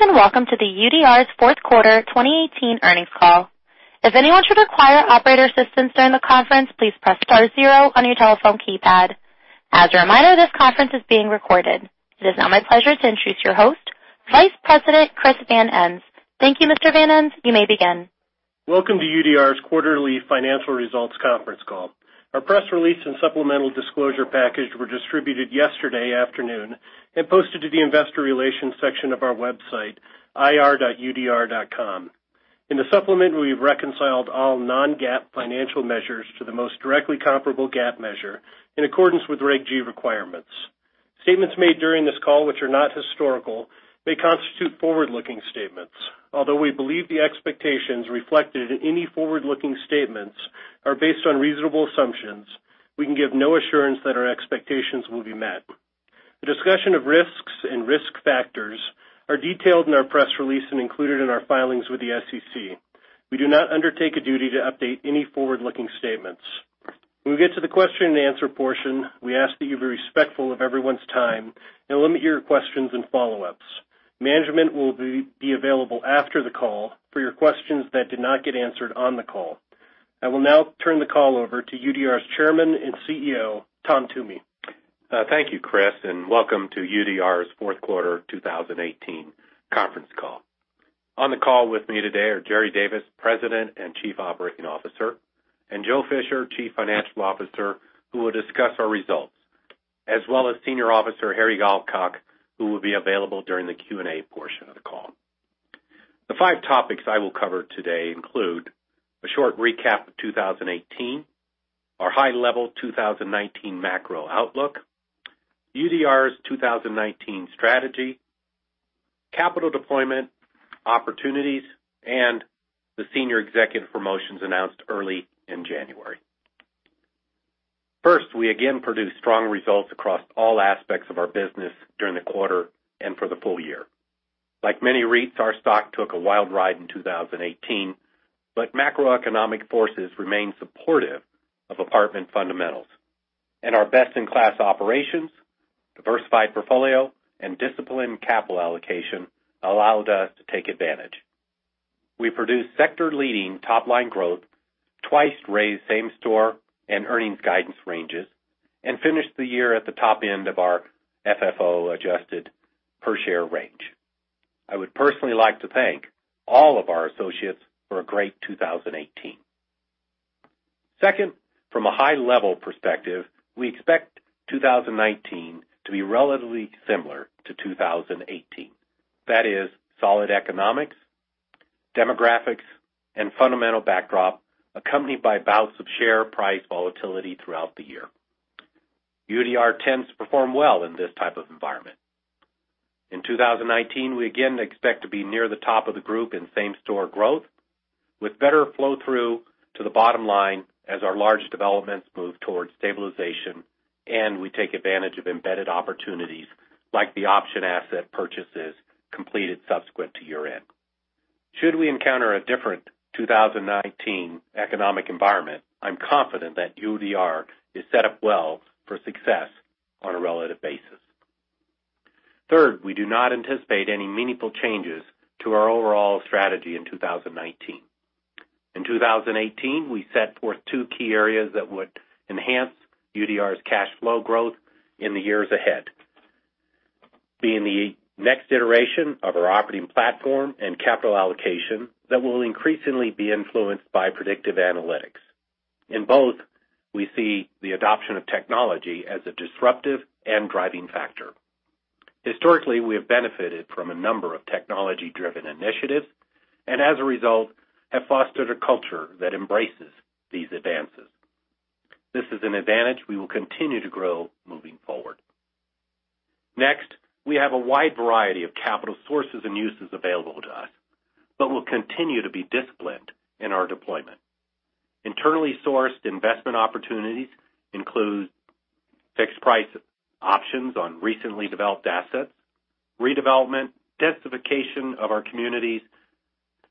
Good afternoon, welcome to UDR's fourth quarter 2018 earnings call. If anyone should require operator assistance during the conference, please press star zero on your telephone keypad. As a reminder, this conference is being recorded. It is now my pleasure to introduce your host, Vice President Chris Van Ens. Thank you, Mr. Van Ens. You may begin. Welcome to UDR's quarterly financial results conference call. Our press release and supplemental disclosure package were distributed yesterday afternoon and posted to the investor relations section of our website, ir.udr.com. In the supplement, we've reconciled all non-GAAP financial measures to the most directly comparable GAAP measure in accordance with Reg G requirements. Statements made during this call, which are not historical, may constitute forward-looking statements. Although we believe the expectations reflected in any forward-looking statements are based on reasonable assumptions, we can give no assurance that our expectations will be met. The discussion of risks and risk factors are detailed in our press release and included in our filings with the SEC. We do not undertake a duty to update any forward-looking statements. When we get to the question and answer portion, we ask that you be respectful of everyone's time and limit your questions and follow-ups. Management will be available after the call for your questions that did not get answered on the call. I will now turn the call over to UDR's Chairman and CEO, Tom Toomey. Thank you, Chris, and welcome to UDR's fourth quarter 2018 conference call. On the call with me today are Jerry Davis, President and Chief Operating Officer, and Joe Fisher, Chief Financial Officer, who will discuss our results, as well as Senior Officer Harry G. Alcock, who will be available during the Q&A portion of the call. The five topics I will cover today include a short recap of 2018, our high-level 2019 macro outlook, UDR's 2019 strategy, capital deployment opportunities, and the senior executive promotions announced early in January. First, we again produced strong results across all aspects of our business during the quarter and for the full year. Like many REITs, our stock took a wild ride in 2018, but macroeconomic forces remain supportive of apartment fundamentals. Our best-in-class operations, diversified portfolio, and disciplined capital allocation allowed us to take advantage. We produced sector-leading top-line growth, twice raised same-store and earnings guidance ranges, and finished the year at the top end of our FFO-adjusted per-share range. I would personally like to thank all of our associates for a great 2018. Second, from a high-level perspective, we expect 2019 to be relatively similar to 2018. That is solid economics, demographics, and fundamental backdrop accompanied by bouts of share price volatility throughout the year. UDR tends to perform well in this type of environment. In 2019, we again expect to be near the top of the group in same-store growth with better flow-through to the bottom line as our large developments move towards stabilization, and we take advantage of embedded opportunities like the option asset purchases completed subsequent to year-end. Should we encounter a different 2019 economic environment, I'm confident that UDR is set up well for success on a relative basis. Third, we do not anticipate any meaningful changes to our overall strategy in 2019. In 2018, we set forth two key areas that would enhance UDR's cash flow growth in the years ahead, being the next iteration of our operating platform and capital allocation that will increasingly be influenced by predictive analytics. In both, we see the adoption of technology as a disruptive and driving factor. Historically, we have benefited from a number of technology-driven initiatives, and as a result, have fostered a culture that embraces these advances. This is an advantage we will continue to grow moving forward. Next, we have a wide variety of capital sources and uses available to us but will continue to be disciplined in our deployment. Internally sourced investment opportunities include fixed-price options on recently developed assets, redevelopment, densification of our communities,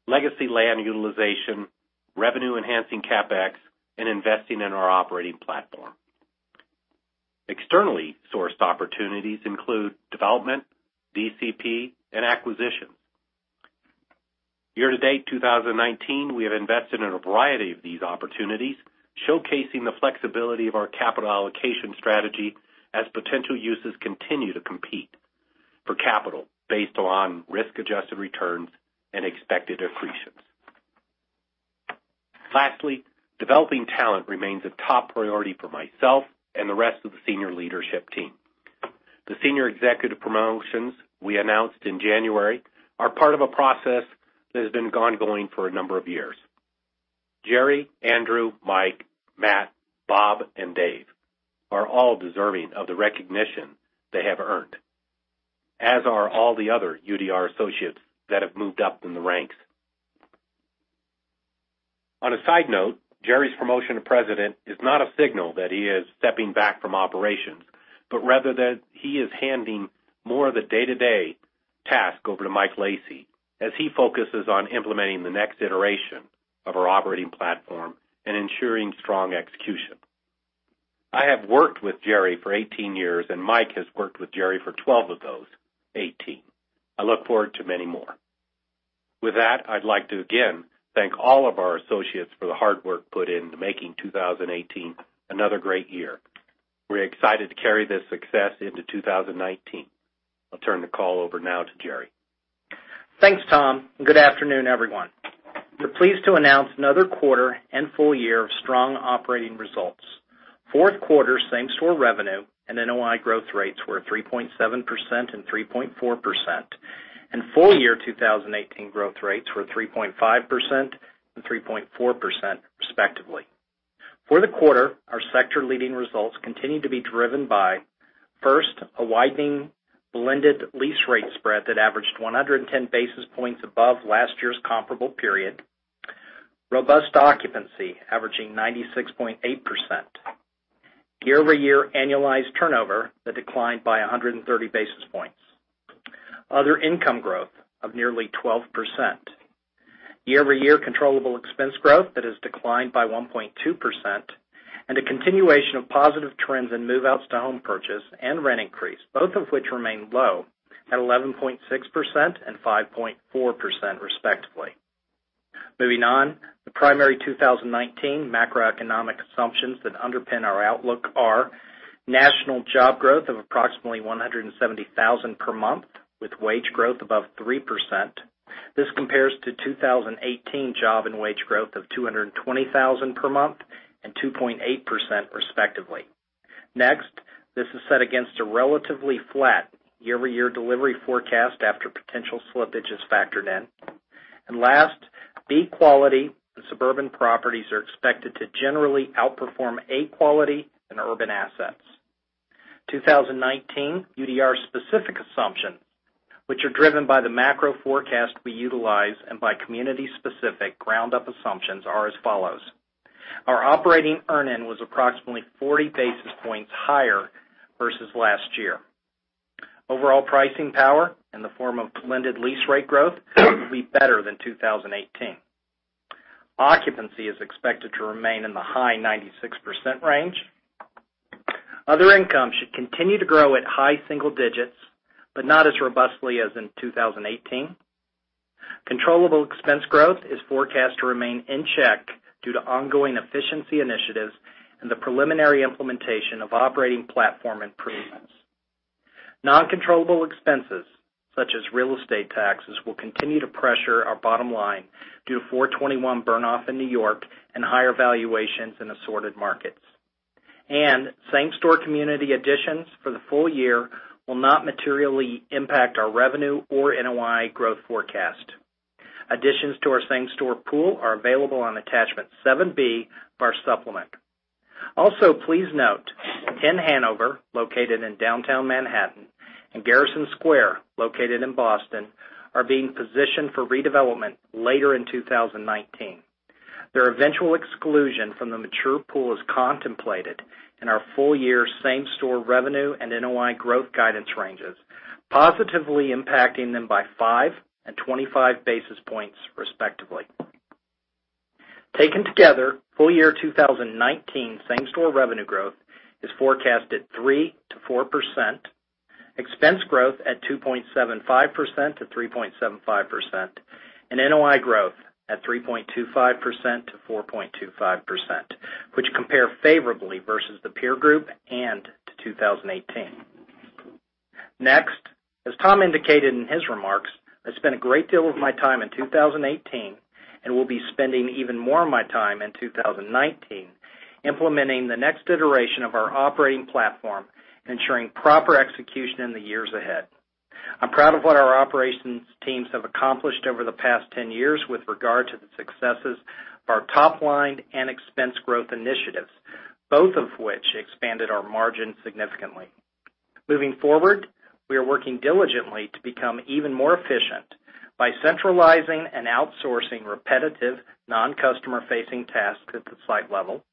legacy land utilization, revenue-enhancing CapEx, and investing in our operating platform. Externally sourced opportunities include development, DCP, and acquisition. Year-to-date 2019, we have invested in a variety of these opportunities, showcasing the flexibility of our capital allocation strategy as potential uses continue to compete for capital based on risk-adjusted returns and expected accretions. Lastly, developing talent remains a top priority for myself and the rest of the senior leadership team. The senior executive promotions we announced in January are part of a process that has been ongoing for a number of years. Jerry, Andrew, Mike, Matt, Bob, and Dave are all deserving of the recognition they have earned, as are all the other UDR associates that have moved up in the ranks. On a side note, Jerry's promotion to President is not a signal that he is stepping back from operations, but rather that he is handing more of the day-to-day task over to Mike Lacy as he focuses on implementing the next iteration of our operating platform and ensuring strong execution. I have worked with Jerry for 18 years, and Mike has worked with Jerry for 12 of those 18. I look forward to many more. With that, I'd like to again thank all of our associates for the hard work put in to making 2018 another great year. We're excited to carry this success into 2019. I'll turn the call over now to Jerry. Thanks, Tom, and good afternoon, everyone. We're pleased to announce another quarter and full year of strong operating results. Fourth quarter same-store revenue and NOI growth rates were 3.7% and 3.4%, and full year 2018 growth rates were 3.5% and 3.4% respectively. For the quarter, our sector leading results continued to be driven by, first, a widening blended lease rate spread that averaged 110 basis points above last year's comparable period, robust occupancy averaging 96.8%, year-over-year annualized turnover that declined by 130 basis points, other income growth of nearly 12%, year-over-year controllable expense growth that has declined by 1.2%, and a continuation of positive trends in move-outs to home purchase and rent increase, both of which remain low at 11.6% and 5.4% respectively. Moving on, the primary 2019 macroeconomic assumptions that underpin our outlook are national job growth of approximately 170,000 per month with wage growth above 3%. This compares to 2018 job and wage growth of 220,000 per month and 2.8% respectively. This is set against a relatively flat year-over-year delivery forecast after potential slippage is factored in. Last, B quality and suburban properties are expected to generally outperform A quality and urban assets. 2019 UDR specific assumptions, which are driven by the macro forecast we utilize and by community-specific ground-up assumptions, are as follows. Our operating earn-in was approximately 40 basis points higher versus last year. Overall pricing power in the form of blended lease rate growth will be better than 2018. Occupancy is expected to remain in the high 96% range. Other income should continue to grow at high single digits, but not as robustly as in 2018. Controllable expense growth is forecast to remain in check due to ongoing efficiency initiatives and the preliminary implementation of operating platform improvements. Non-controllable expenses such as real estate taxes will continue to pressure our bottom line due to 421-a burn off in New York and higher valuations in assorted markets. Same-store community additions for the full year will not materially impact our revenue or NOI growth forecast. Additions to our same-store pool are available on attachment 7B of our supplement. Please note 10 Hanover, located in downtown Manhattan, and Garrison Square, located in Boston, are being positioned for redevelopment later in 2019. Their eventual exclusion from the mature pool is contemplated in our full-year same-store revenue and NOI growth guidance ranges, positively impacting them by 5 and 25 basis points respectively. Taken together, full-year 2019 same-store revenue growth is forecasted 3%-4%, expense growth at 2.75%-3.75%, and NOI growth at 3.25%-4.25%, which compare favorably versus the peer group and to 2018. As Tom indicated in his remarks, I spent a great deal of my time in 2018 and will be spending even more of my time in 2019 implementing the next iteration of our operating platform, ensuring proper execution in the years ahead. I'm proud of what our operations teams have accomplished over the past 10 years with regard to the successes of our top-line and expense growth initiatives, both of which expanded our margin significantly. Moving forward, we are working diligently to become even more efficient by centralizing and outsourcing repetitive non-customer facing tasks at the site level,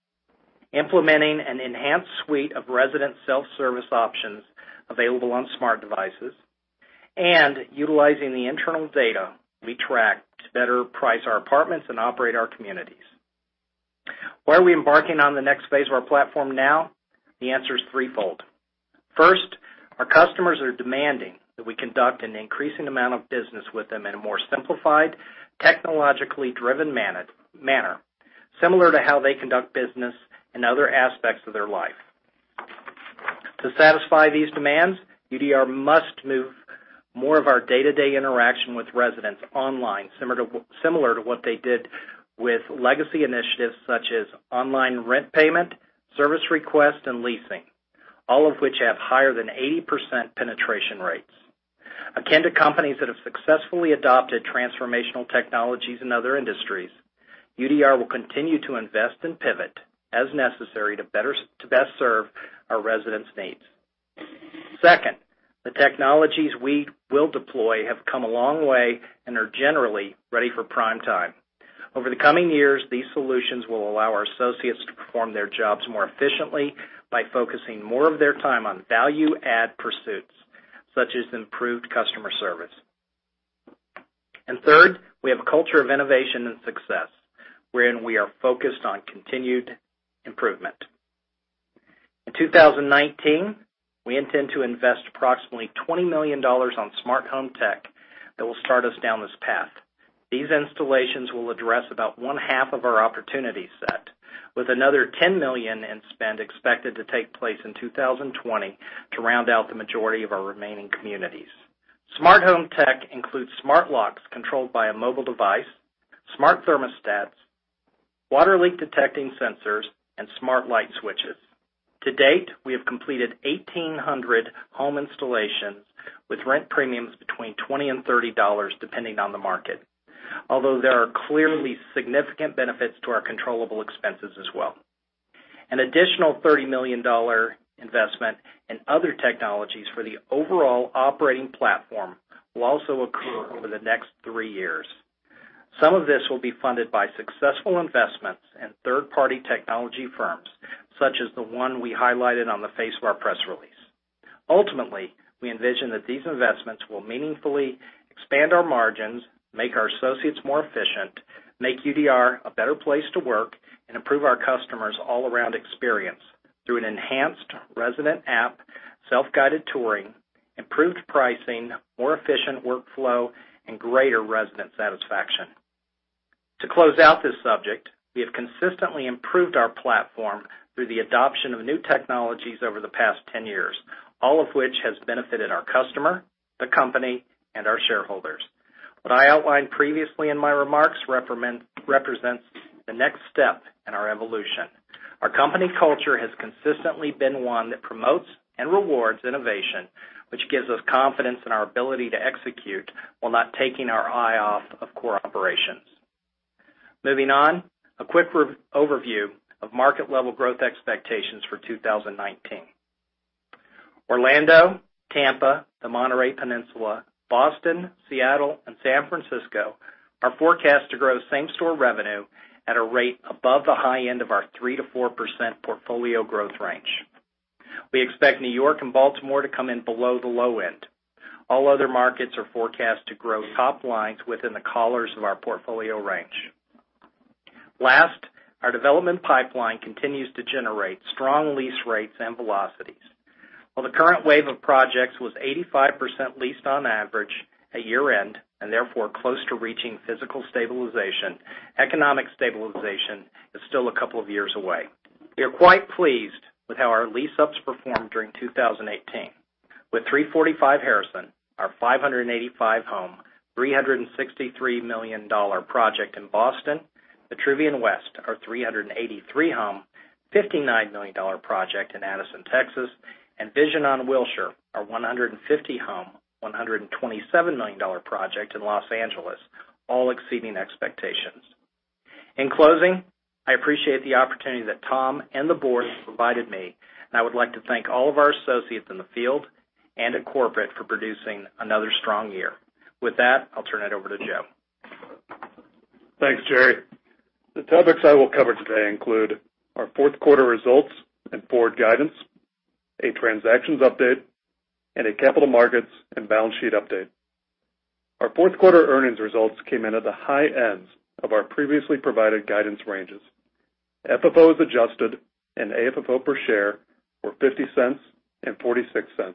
implementing an enhanced suite of resident self-service options available on smart devices, and utilizing the internal data we track to better price our apartments and operate our communities. Why are we embarking on the next phase of our platform now? The answer is threefold. First, our customers are demanding that we conduct an increasing amount of business with them in a more simplified, technologically driven manner, similar to how they conduct business in other aspects of their life. To satisfy these demands, UDR must move more of our day-to-day interaction with residents online, similar to what they did with legacy initiatives such as online rent payment, service request, and leasing, all of which have higher than 80% penetration rates. Akin to companies that have successfully adopted transformational technologies in other industries, UDR will continue to invest and pivot as necessary to best serve our residents' needs. Second, the technologies we will deploy have come a long way and are generally ready for prime time. Over the coming years, these solutions will allow our associates to perform their jobs more efficiently by focusing more of their time on value add pursuits such as improved customer service. Third, we have a culture of innovation and success wherein we are focused on continued improvement. In 2019, we intend to invest approximately $20 million on smart home tech that will start us down this path. These installations will address about one-half of our opportunity set, with another $10 million in spend expected to take place in 2020 to round out the majority of our remaining communities. Smart home tech includes smart locks controlled by a mobile device, smart thermostats, water leak detecting sensors, and smart light switches. To date, we have completed 1,800 home installations with rent premiums between $20 and $30, depending on the market. Although there are clearly significant benefits to our controllable expenses as well. An additional $30 million investment in other technologies for the overall operating platform will also occur over the next three years. Some of this will be funded by successful investments in third-party technology firms, such as the one we highlighted on the face of our press release. Ultimately, we envision that these investments will meaningfully expand our margins, make our associates more efficient, make UDR a better place to work, and improve our customers' all-around experience through an enhanced resident app, self-guided touring, improved pricing, more efficient workflow, and greater resident satisfaction. To close out this subject, we have consistently improved our platform through the adoption of new technologies over the past 10 years, all of which has benefited our customer, the company, and our shareholders. What I outlined previously in my remarks represents the next step in our evolution. Our company culture has consistently been one that promotes and rewards innovation, which gives us confidence in our ability to execute while not taking our eye off of core operations. Moving on, a quick overview of market-level growth expectations for 2019. Orlando, Tampa, the Monterey Peninsula, Boston, Seattle, and San Francisco are forecast to grow same-store revenue at a rate above the high end of our 3%-4% portfolio growth range. We expect New York and Baltimore to come in below the low end. All other markets are forecast to grow top lines within the collars of our portfolio range. Last, our development pipeline continues to generate strong lease rates and velocities. While the current wave of projects was 85% leased on average at year-end, and therefore close to reaching physical stabilization, economic stabilization is still a couple of years away. We are quite pleased with how our lease-ups performed during 2018. With 345 Harrison, our 585-home, $363 million project in Boston. Vitruvian West, our 383-home, $59 million project in Addison, Texas. Vision on Wilshire, our 150-home, $127 million project in Los Angeles, all exceeding expectations. In closing, I appreciate the opportunity that Tom and the board have provided me, and I would like to thank all of our associates in the field and at corporate for producing another strong year. With that, I'll turn it over to Joe. Thanks, Jerry. The topics I will cover today include our fourth quarter results and forward guidance, a transactions update, and a capital markets and balance sheet update. Our fourth quarter earnings results came in at the high ends of our previously provided guidance ranges. FFO as adjusted and AFFO per share were $0.50 and $0.46.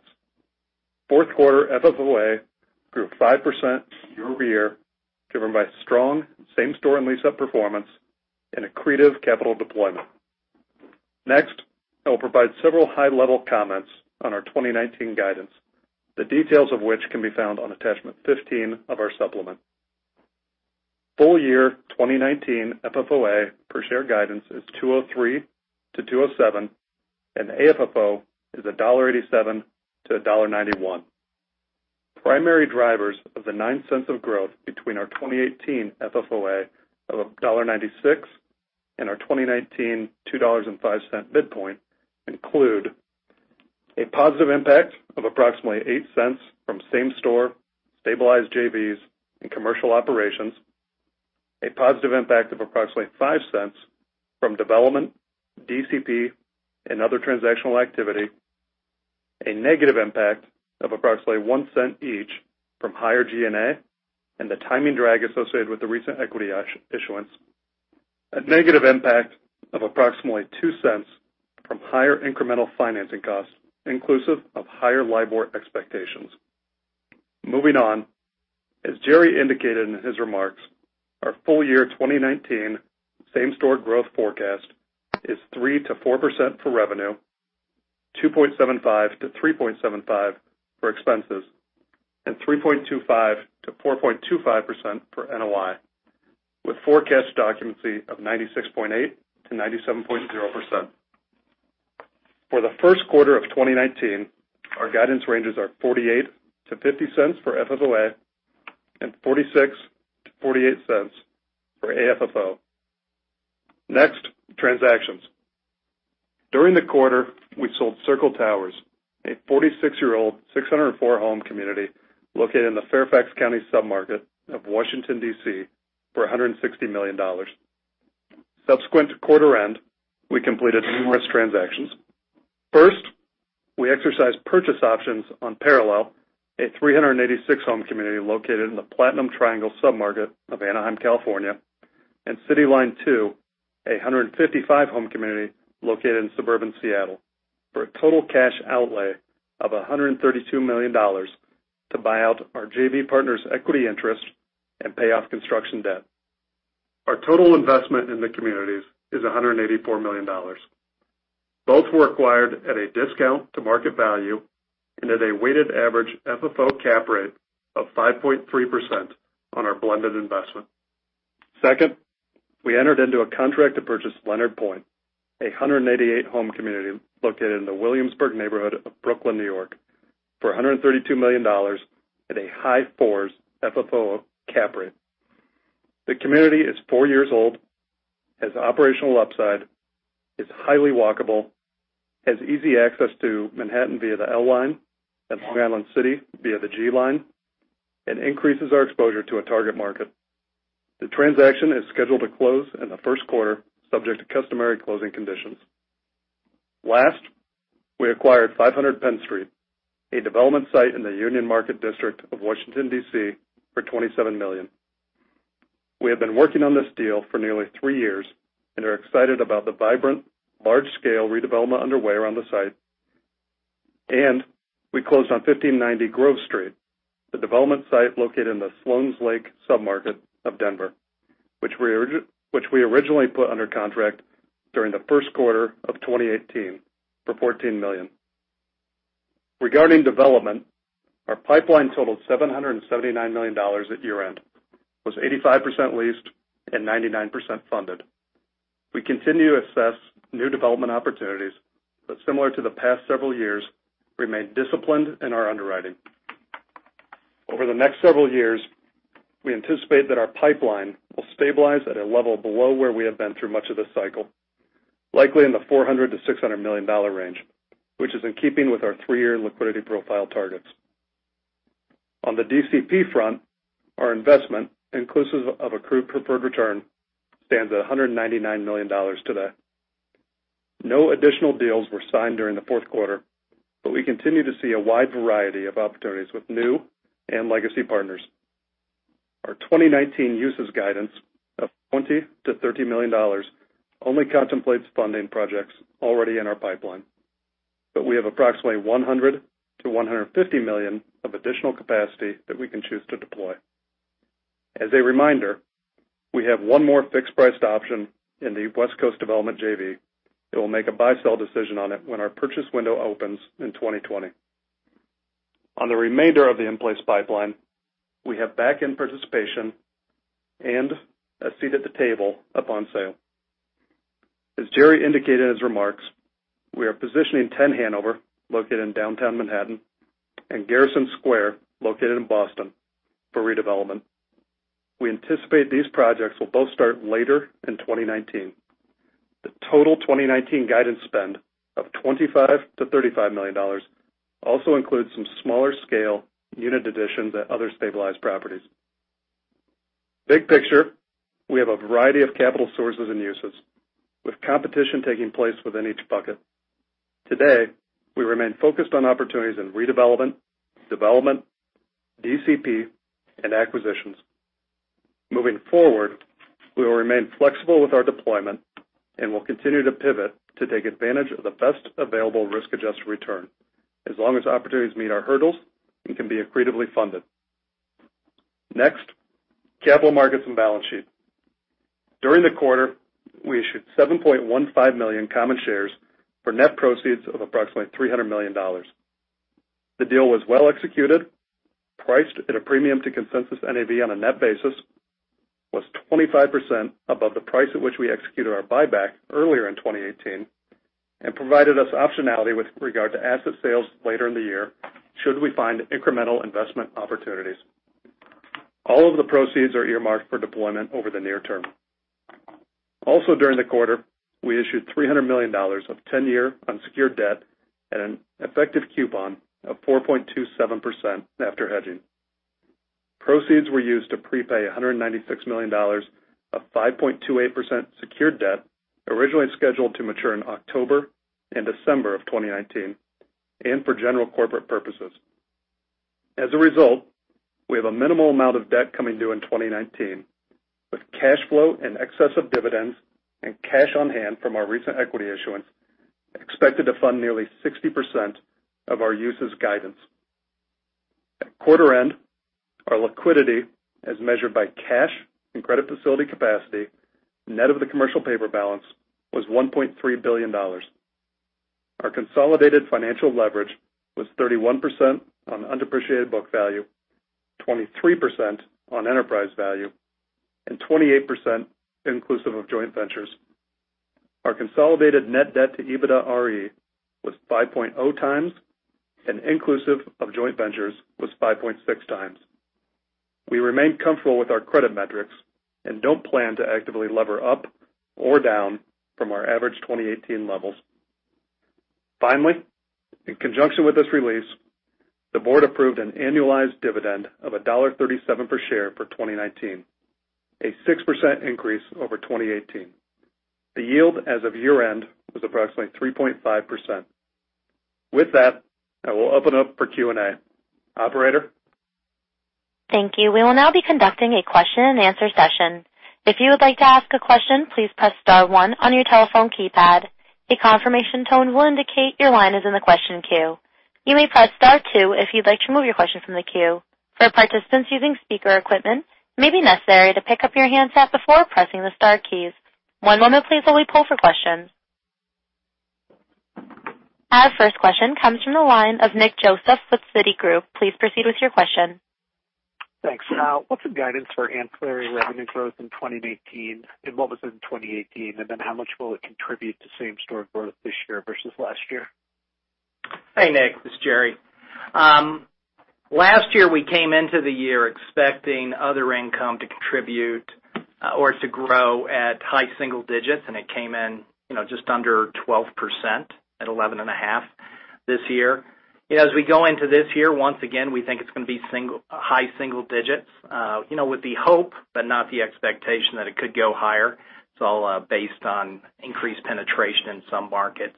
Fourth quarter FFOA grew 5% year-over-year, driven by strong same-store and lease-up performance and accretive capital deployment. Next, I will provide several high-level comments on our 2019 guidance, the details of which can be found on attachment 15 of our supplement. Full year 2019 FFOA per share guidance is $2.03 to $2.07, and AFFO is $1.87 to $1.91. Primary drivers of the $0.09 of growth between our 2018 FFOA of $1.96 and our 2019 $2.05 midpoint include a positive impact of approximately $0.08 from same store, stabilized JVs, and commercial operations. A positive impact of approximately $0.05 from development, DCP, and other transactional activity. A negative impact of approximately $0.01 each from higher G&A and the timing drag associated with the recent equity issuance. A negative impact of approximately $0.02 from higher incremental financing costs, inclusive of higher LIBOR expectations. Moving on, as Jerry indicated in his remarks, our full year 2019 same-store growth forecast is 3%-4% for revenue, 2.75%-3.75% for expenses, and 3.25%-4.25% for NOI, with forecast occupancy of 96.8%-97.0%. For the first quarter of 2019, our guidance ranges are $0.48 to $0.50 for FFOA, and $0.46 to $0.48 for AFFO. Next, transactions. During the quarter, we sold Circle Towers, a 46-year-old, 604-home community located in the Fairfax County submarket of Washington, D.C., for $160 million. Subsequent to quarter end, we completed numerous transactions. First, we exercised purchase options on Parallel, a 386-home community located in the Platinum Triangle sub-market of Anaheim, California, and CityLine II, a 155-home community located in suburban Seattle, for a total cash outlay of $132 million to buy out our JV partner's equity interest and pay off construction debt. Our total investment in the communities is $184 million. Both were acquired at a discount to market value and at a weighted average FFO cap rate of 5.3% on our blended investment. Second, we entered into a contract to purchase Leonard Pointe, a 188-home community located in the Williamsburg neighborhood of Brooklyn, New York for $132 million at a high fours FFO cap rate. The community is four years old, has operational upside, is highly walkable, has easy access to Manhattan via the L line and Long Island City via the G line, and increases our exposure to a target market. The transaction is scheduled to close in the first quarter, subject to customary closing conditions. Last, we acquired 500 Penn Street, a development site in the Union Market District of Washington, D.C. for $27 million. We have been working on this deal for nearly three years and are excited about the vibrant, large-scale redevelopment underway around the site. We closed on 1590 Grove Street, the development site located in the Sloan's Lake sub-market of Denver, which we originally put under contract during the first quarter of 2018 for $14 million. Regarding development, our pipeline totaled $779 million at year-end, was 85% leased and 99% funded. We continue to assess new development opportunities, similar to the past several years, remain disciplined in our underwriting. Over the next several years, we anticipate that our pipeline will stabilize at a level below where we have been through much of this cycle, likely in the $400 million-$600 million range, which is in keeping with our three-year liquidity profile targets. On the DCP front, our investment, inclusive of accrued preferred return, stands at $199 million today. No additional deals were signed during the fourth quarter, we continue to see a wide variety of opportunities with new and legacy partners. Our 2019 uses guidance of $20 million-$30 million only contemplates funding projects already in our pipeline. We have approximately $100 million-$150 million of additional capacity that we can choose to deploy. As a reminder, we have one more fixed-priced option in the West Coast development JV that we'll make a buy-sell decision on it when our purchase window opens in 2020. On the remainder of the in-place pipeline, we have backend participation and a seat at the table upon sale. As Jerry indicated in his remarks, we are positioning 10 Hanover, located in downtown Manhattan, and Garrison Square, located in Boston, for redevelopment. We anticipate these projects will both start later in 2019. The total 2019 guidance spend of $25 million-$35 million also includes some smaller scale unit additions at other stabilized properties. Big picture, we have a variety of capital sources and uses, with competition taking place within each bucket. Today, we remain focused on opportunities in redevelopment, development, DCP, and acquisitions. Moving forward, we will remain flexible with our deployment and will continue to pivot to take advantage of the best available risk-adjusted return as long as opportunities meet our hurdles and can be accretively funded. Next, capital markets and balance sheet. During the quarter, we issued 7.15 million common shares for net proceeds of approximately $300 million. The deal was well executed, priced at a premium to consensus NAV on a net basis, was 25% above the price at which we executed our buyback earlier in 2018, provided us optionality with regard to asset sales later in the year should we find incremental investment opportunities. All of the proceeds are earmarked for deployment over the near term. During the quarter, we issued $300 million of 10-year unsecured debt at an effective coupon of 4.27% after hedging. Proceeds were used to prepay $196 million of 5.28% secured debt originally scheduled to mature in October and December of 2019 and for general corporate purposes. We have a minimal amount of debt coming due in 2019, with cash flow in excess of dividends and cash on hand from our recent equity issuance expected to fund nearly 60% of our uses guidance. At quarter end, our liquidity as measured by cash and credit facility capacity, net of the commercial paper balance, was $1.3 billion. Our consolidated financial leverage was 31% on the undepreciated book value, 23% on enterprise value, and 28% inclusive of joint ventures. Our consolidated net debt to EBITDAre was 5.0 times, and inclusive of joint ventures was 5.6 times. We remain comfortable with our credit metrics and don't plan to actively lever up or down from our average 2018 levels. Finally, in conjunction with this release, the board approved an annualized dividend of $1.37 per share for 2019, a 6% increase over 2018. The yield as of year-end was approximately 3.5%. I will open up for Q&A. Operator? Thank you. We will now be conducting a question and answer session. If you would like to ask a question, please press star one on your telephone keypad. A confirmation tone will indicate your line is in the question queue. You may press star two if you'd like to remove your question from the queue. For participants using speaker equipment, it may be necessary to pick up your handset before pressing the star keys. One moment please while we pull for questions. Our first question comes from the line of Nicholas Joseph with Citigroup. Please proceed with your question. Thanks. What's the guidance for ancillary revenue growth in 2019 and what was it in 2018? How much will it contribute to same-store growth this year versus last year? Hey, Nick, this is Jerry. Last year, we came into the year expecting other income to contribute or to grow at high single digits, and it came in just under 12% at 11.5%. We go into this year, once again, we think it's going to be high single digits, with the hope, but not the expectation that it could go higher. It's all based on increased penetration in some markets.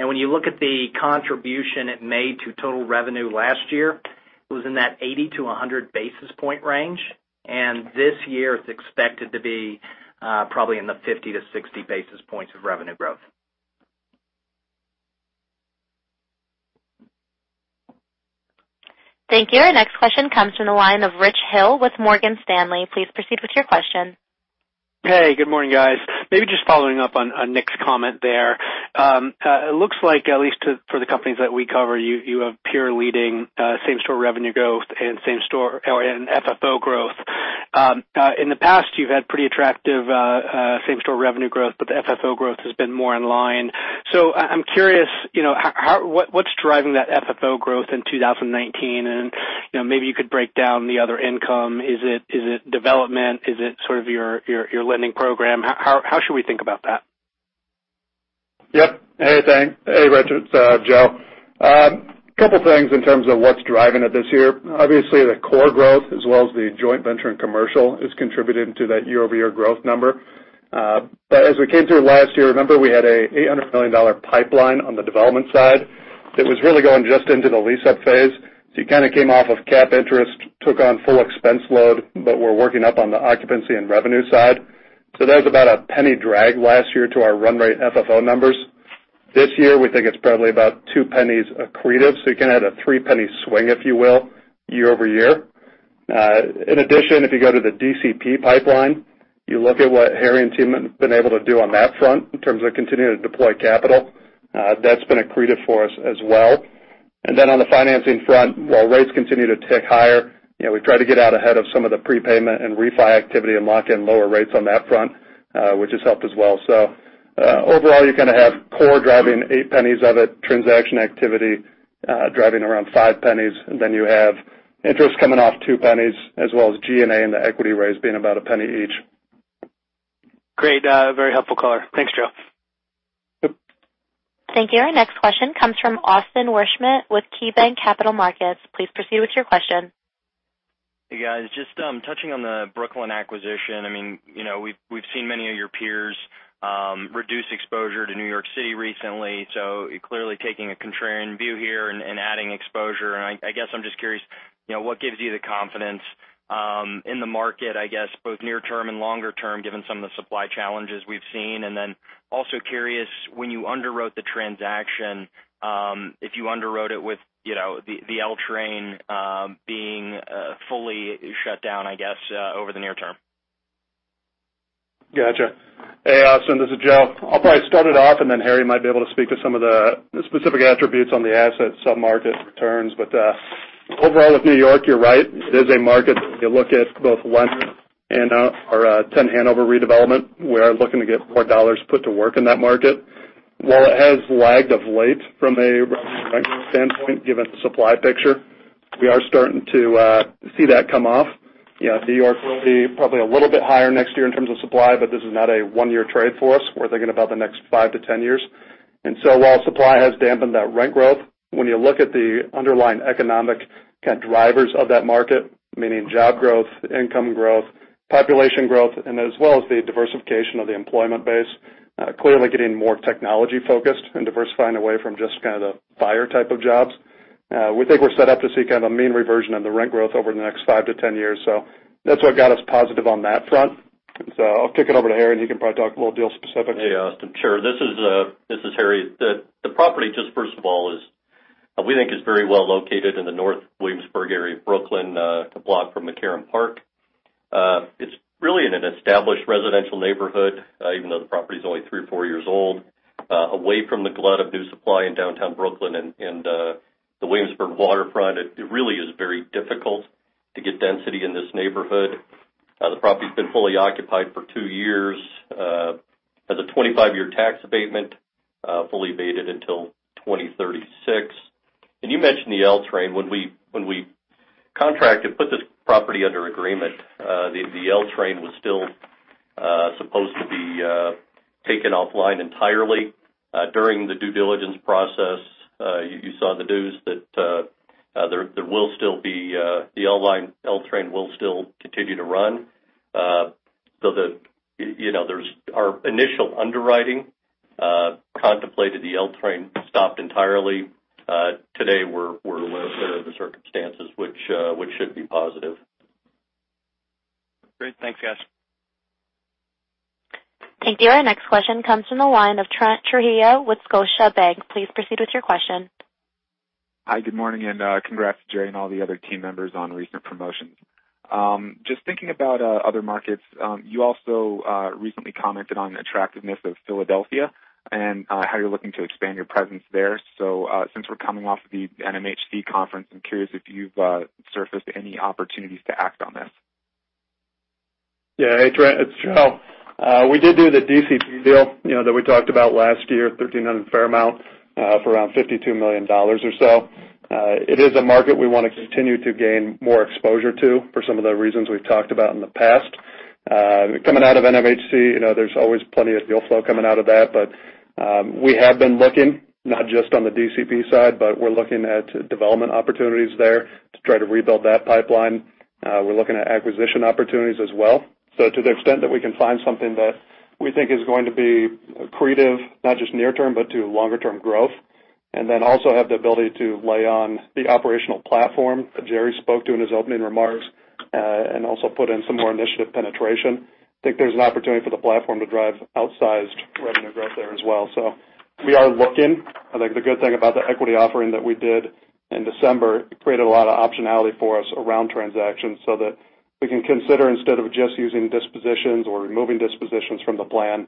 When you look at the contribution it made to total revenue last year, it was in that 80-100 basis point range. This year it's expected to be probably in the 50-60 basis points of revenue growth. Thank you. Our next question comes from the line of Richard Hill with Morgan Stanley. Please proceed with your question. Hey, good morning, guys. Maybe just following up on Nick's comment there. It looks like, at least for the companies that we cover, you have peer-leading same-store revenue growth and FFO growth. In the past, you've had pretty attractive same-store revenue growth, but the FFO growth has been more in line. I'm curious, what's driving that FFO growth in 2019? Maybe you could break down the other income. Is it development? Is it sort of your lending program? How should we think about that? Yep. Hey, Rich. It's Joe. Couple things in terms of what's driving it this year. Obviously, the core growth as well as the joint venture and commercial is contributing to that year-over-year growth number. As we came through last year, remember we had an $800 million pipeline on the development side that was really going just into the lease-up phase. You kind of came off of cap interest, took on full expense load, but we're working up on the occupancy and revenue side. That was about a penny drag last year to our run rate FFO numbers. This year, we think it's probably about two pennies accretive, so you kind of had a three-penny swing, if you will, year-over-year. In addition, if you go to the DCP pipeline, you look at what Harry and team have been able to do on that front in terms of continuing to deploy capital. That's been accretive for us as well. On the financing front, while rates continue to tick higher, we've tried to get out ahead of some of the prepayment and refi activity and lock in lower rates on that front, which has helped as well. Overall, you kind of have core driving 8 pennies of it, transaction activity driving around 5 pennies. You have interest coming off 2 pennies, as well as G&A and the equity raise being about 1 penny each. Great. Very helpful color. Thanks, Joe. Yep. Thank you. Our next question comes from Austin Wurschmidt with KeyBanc Capital Markets. Please proceed with your question. Hey, guys. Just touching on the Brooklyn acquisition. We've seen many of your peers reduce exposure to New York City recently, so you're clearly taking a contrarian view here and adding exposure. I guess I'm just curious, what gives you the confidence in the market, I guess, both near term and longer term, given some of the supply challenges we've seen? Also curious, when you underwrote the transaction, if you underwrote it with the L train being fully shut down, I guess, over the near term. Gotcha. Hey, Austin, this is Joe. I'll probably start it off, and then Harry might be able to speak to some of the specific attributes on the asset, sub-market returns. Overall with New York, you're right. It is a market. If you look at both Lent and our 10 Hanover redevelopment, we are looking to get more dollars put to work in that market. While it has lagged of late from a rent standpoint, given the supply picture, we are starting to see that come off. New York will be probably a little bit higher next year in terms of supply. This is not a one-year trade for us. We're thinking about the next five to 10 years. While supply has dampened that rent growth, when you look at the underlying economic kind of drivers of that market, meaning job growth, income growth, population growth, and as well as the diversification of the employment base, clearly getting more technology-focused and diversifying away from just kind of the buyer type of jobs. We think we're set up to see kind of a mean reversion of the rent growth over the next five to 10 years. That's what got us positive on that front. I'll kick it over to Harry, and he can probably talk a little deal specifics. Hey, Austin. Sure. This is Harry. The property, just first of all, we think is very well located in the North Williamsburg area of Brooklyn, a block from McCarren Park. It's really in an established residential neighborhood, even though the property's only three or four years old, away from the glut of new supply in downtown Brooklyn and the Williamsburg waterfront. It really is very difficult to get density in this neighborhood. The property's been fully occupied for two years. Has a 25-year tax abatement, fully abated until 2036. You mentioned the L train. When we contracted, put this property under agreement, the L train was still supposed to be taken offline entirely during the due diligence process. You saw the news that the L train will still continue to run. Our initial underwriting contemplated the L train stopped entirely. Today, we're aware of the circumstances, which should be positive. Great. Thanks, guys. Thank you. Our next question comes from the line of Trent Trujillo with Scotiabank. Please proceed with your question. Hi, good morning, and congrats, Jerry, and all the other team members on recent promotions. Just thinking about other markets. You also recently commented on the attractiveness of Philadelphia and how you're looking to expand your presence there. Since we're coming off the NMHC conference, I'm curious if you've surfaced any opportunities to act on this. Yeah. Hey, Trent, it's Joe. We did do the DCP deal that we talked about last year, 1300 Fairmount, for around $52 million or so. It is a market we want to continue to gain more exposure to for some of the reasons we've talked about in the past. Coming out of NMHC, there's always plenty of deal flow coming out of that. We have been looking, not just on the DCP side, but we're looking at development opportunities there to try to rebuild that pipeline. We're looking at acquisition opportunities as well. To the extent that we can find something that we think is going to be accretive, not just near-term, but to longer-term growth, and then also have the ability to lay on the operational platform that Jerry spoke to in his opening remarks, and also put in some more initiative penetration, I think there's an opportunity for the platform to drive outsized revenue growth there as well. We are looking. I think the good thing about the equity offering that we did in December, it created a lot of optionality for us around transactions so that we can consider instead of just using dispositions or removing dispositions from the plan,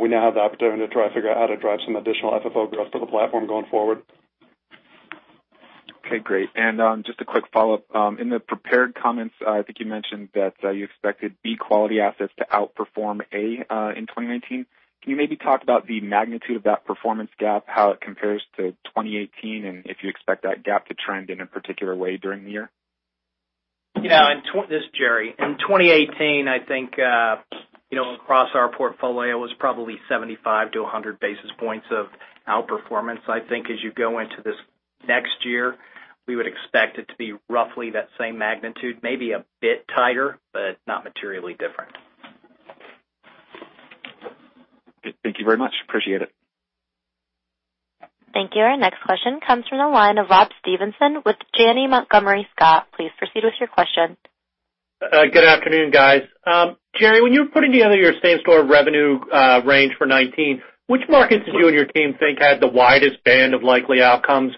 we now have the opportunity to try to figure out how to drive some additional FFO growth for the platform going forward. Okay, great. Just a quick follow-up. In the prepared comments, I think you mentioned that you expected B quality assets to outperform A in 2019. Can you maybe talk about the magnitude of that performance gap, how it compares to 2018, and if you expect that gap to trend in a particular way during the year? This is Jerry. In 2018, I think across our portfolio, it was probably 75 to 100 basis points of outperformance. I think as you go into this next year, we would expect it to be roughly that same magnitude, maybe a bit tighter, but not materially different. Thank you very much. Appreciate it. Thank you. Our next question comes from the line of Rob Stevenson with Janney Montgomery Scott. Please proceed with your question. Good afternoon, guys. Jerry, when you were putting together your same-store revenue range for 2019, which markets did you and your team think had the widest band of likely outcomes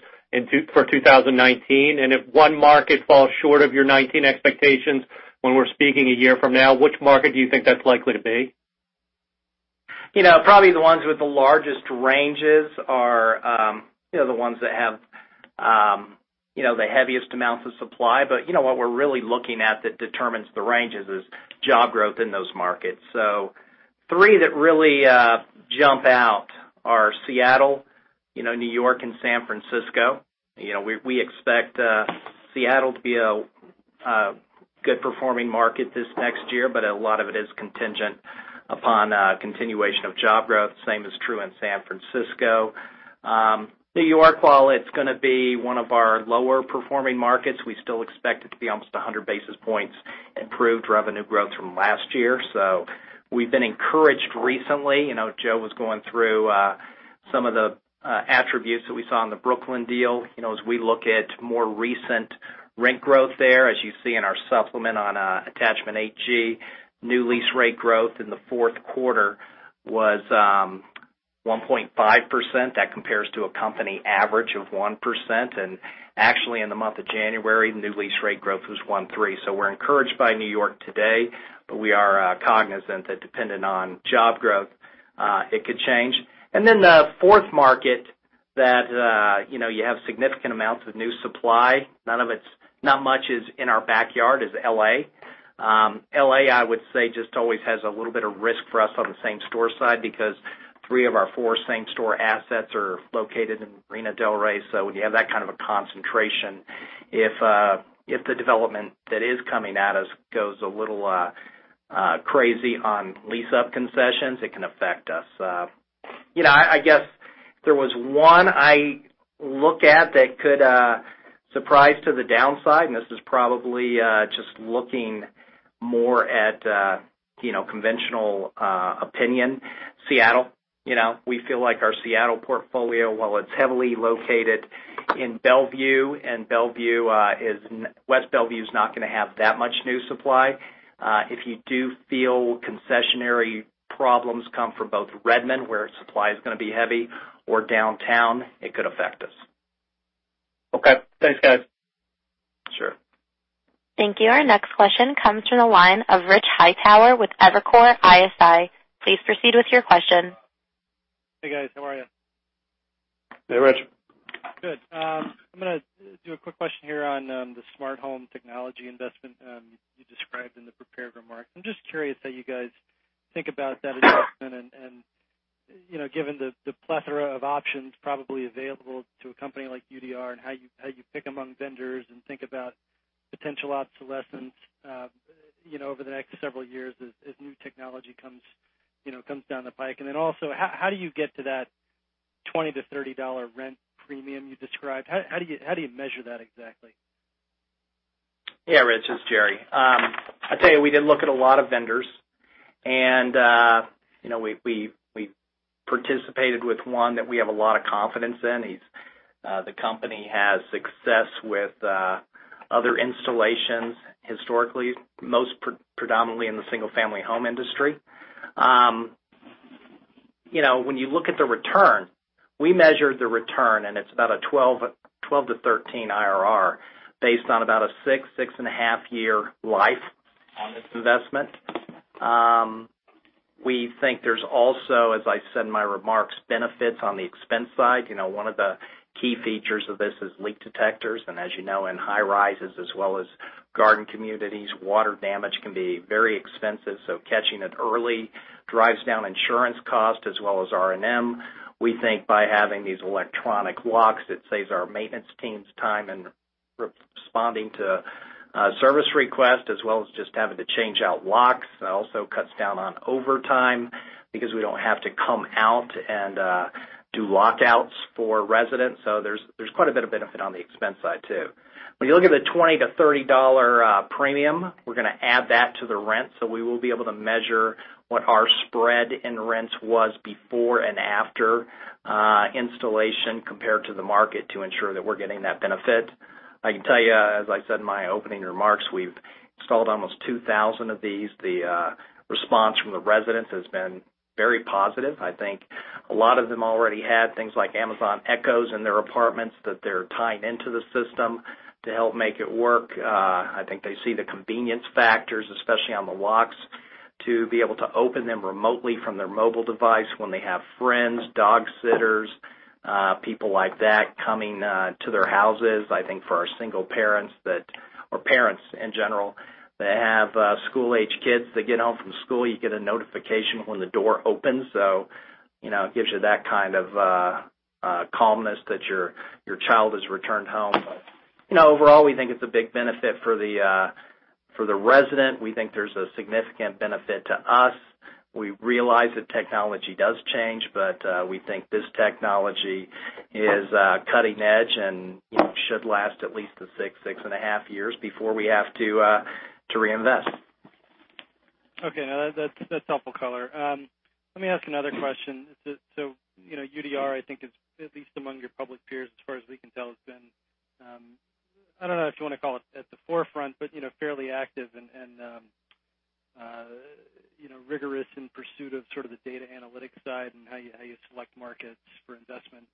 for 2019? If one market falls short of your 2019 expectations when we're speaking a year from now, which market do you think that's likely to be? Probably the ones with the largest ranges are the ones that have the heaviest amounts of supply. You know what we're really looking at that determines the ranges is job growth in those markets. Three that really jump out are Seattle, New York, and San Francisco. We expect Seattle to be a good-performing market this next year, but a lot of it is contingent upon a continuation of job growth. The same is true in San Francisco. New York, while it's going to be one of our lower-performing markets, we still expect it to be almost 100 basis points improved revenue growth from last year. We've been encouraged recently. Joe was going through some of the attributes that we saw in the Brooklyn deal. As we look at more recent rent growth there, as you see in our supplement on attachment HG, new lease rate growth in the fourth quarter was 1.5%. That compares to a company average of 1%. Actually, in the month of January, new lease rate growth was 1.3%. We're encouraged by New York today, but we are cognizant that depending on job growth, it could change. The fourth market that you have significant amounts of new supply, not much is in our backyard, is L.A. L.A., I would say, just always has a little bit of risk for us on the same store side because three of our four same-store assets are located in Marina del Rey. When you have that kind of a concentration, if the development that is coming at us goes a little crazy on lease-up concessions, it can affect us. I guess there was one I look at that could surprise to the downside, this is probably just looking more at conventional opinion. Seattle. We feel like our Seattle portfolio, while it's heavily located in Bellevue, West Bellevue's not going to have that much new supply. If you do feel concessionary problems come from both Redmond, where supply is going to be heavy, or downtown, it could affect us. Okay. Thanks, guys. Sure. Thank you. Our next question comes from the line of Rich Hightower with Evercore ISI. Please proceed with your question. Hey, guys. How are you? Hey, Rich. Good. I'm going to do a quick question here on the smart home technology investment you described in the prepared remarks. I'm just curious how you guys think about that. Given the plethora of options probably available to a company like UDR, and how you pick among vendors and think about potential obsolescence over the next several years as new technology comes down the pike. Also, how do you get to that $20-$30 rent premium you described? How do you measure that exactly? Yeah, Rich, it's Jerry. I'd tell you, we did look at a lot of vendors, and we participated with one that we have a lot of confidence in. The company has success with other installations historically, most predominantly in the single-family home industry. When you look at the return, we measured the return, and it's about a 12-13 IRR based on about a six-and-a-half year life on this investment. We think there's also, as I said in my remarks, benefits on the expense side. One of the key features of this is leak detectors, and as you know, in high-rises as well as garden communities, water damage can be very expensive, so catching it early drives down insurance costs as well as R&M. We think by having these electronic locks, it saves our maintenance teams time in responding to service requests, as well as just having to change out locks. It also cuts down on overtime because we don't have to come out and do lockouts for residents. There's quite a bit of benefit on the expense side, too. When you look at the $20-$30 premium, we're going to add that to the rent, so we will be able to measure what our spread in rents was before and after installation compared to the market to ensure that we're getting that benefit. I can tell you, as I said in my opening remarks, we've installed almost 2,000 of these. The response from the residents has been very positive. I think a lot of them already had things like Amazon Echoes in their apartments that they're tying into the system to help make it work. I think they see the convenience factors, especially on the locks, to be able to open them remotely from their mobile device when they have friends, dog sitters, people like that coming to their houses. I think for our single parents that, or parents in general, that have school-aged kids that get home from school, you get a notification when the door opens, so it gives you that kind of calmness that your child has returned home. Overall, we think it's a big benefit for the resident. We think there's a significant benefit to us. We realize that technology does change, but we think this technology is cutting edge and should last at least a six-and-a-half years before we have to reinvest. Okay. No, that's helpful color. Let me ask another question. UDR, I think is, at least among your public peers, as far as we can tell, has been, I don't know if you want to call it at the forefront, but fairly active and rigorous in pursuit of the data analytics side and how you select markets for investment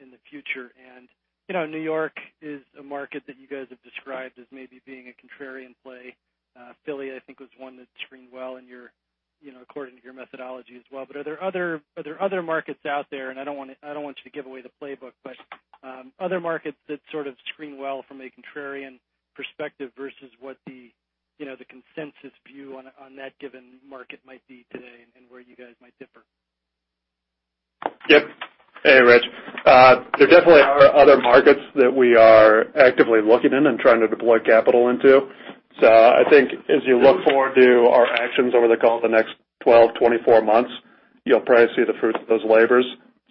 in the future. New York is a market that you guys have described as maybe being a contrarian play. Philly, I think, was one that screened well according to your methodology as well. Are there other markets out there, and I don't want you to give away the playbook, but other markets that sort of screen well from a contrarian perspective versus what the consensus view on that given market might be today and where you guys might differ? Yep. Hey, Rich. There definitely are other markets that we are actively looking in and trying to deploy capital into. I think as you look forward to our actions over the next 12, 24 months, you'll probably see the fruits of those labors.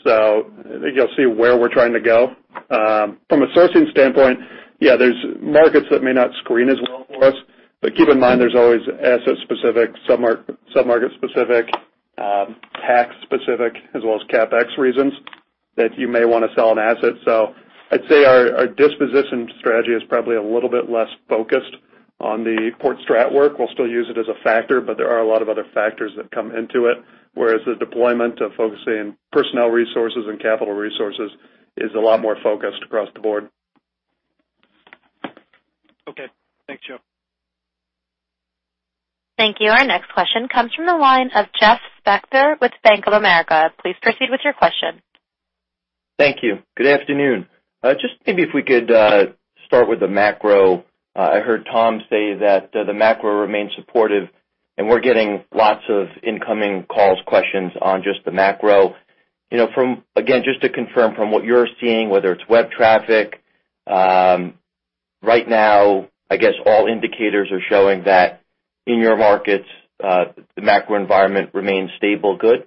I think you'll see where we're trying to go. From a sourcing standpoint, yeah, there's markets that may not screen as well for us, but keep in mind, there's always asset-specific, sub-market specific, tax specific, as well as CapEx reasons that you may want to sell an asset. I'd say our disposition strategy is probably a little bit less focused on the port strat work. We'll still use it as a factor, but there are a lot of other factors that come into it, whereas the deployment of focusing personnel resources and capital resources is a lot more focused across the board. Okay. Thanks, Joe. Thank you. Our next question comes from the line of Jeff Spector with Bank of America. Please proceed with your question. Thank you. Good afternoon. Just maybe if we could start with the macro. I heard Tom say that the macro remains supportive, and we're getting lots of incoming calls, questions on just the macro. Again, just to confirm from what you're seeing, whether it's web traffic, right now, I guess all indicators are showing that in your markets, the macro environment remains stable good?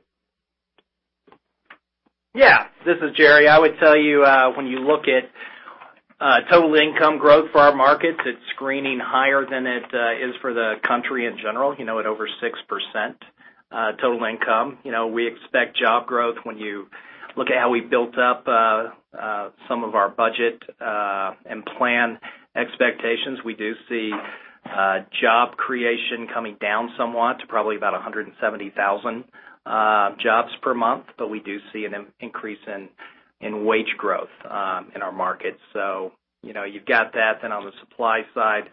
Yeah. This is Jerry. I would tell you, when you look at total income growth for our markets, it's screening higher than it is for the country in general, at over 6% total income. We expect job growth. When you look at how we built up some of our budget and plan expectations, we do see job creation coming down somewhat to probably about 170,000 jobs per month. We do see an increase in wage growth in our markets. You've got that. On the supply side,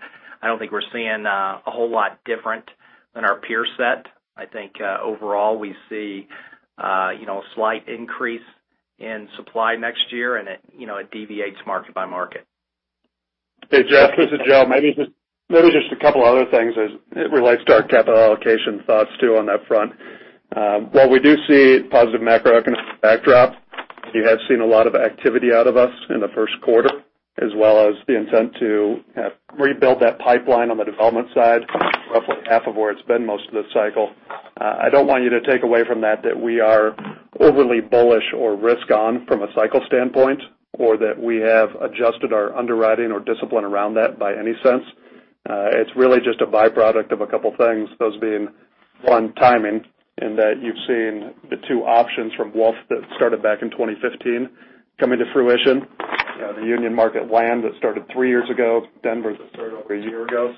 I don't think we're seeing a whole lot different than our peer set. I think overall, we see a slight increase in supply next year, and it deviates market by market. Hey, Jeff, this is Joe. Maybe just a couple other things as it relates to our capital allocation thoughts, too, on that front. While we do see positive macroeconomic backdrop, you have seen a lot of activity out of us in the first quarter, as well as the intent to rebuild that pipeline on the development side, roughly half of where it's been most of this cycle. I don't want you to take away from that we are overly bullish or risk-on from a cycle standpoint, or that we have adjusted our underwriting or discipline around that by any sense. It's really just a byproduct of a couple things. Those being, one, timing, in that you've seen the two options from Wolfe that started back in 2015 coming to fruition. The Union Market land that started three years ago. Denver that started over a year ago.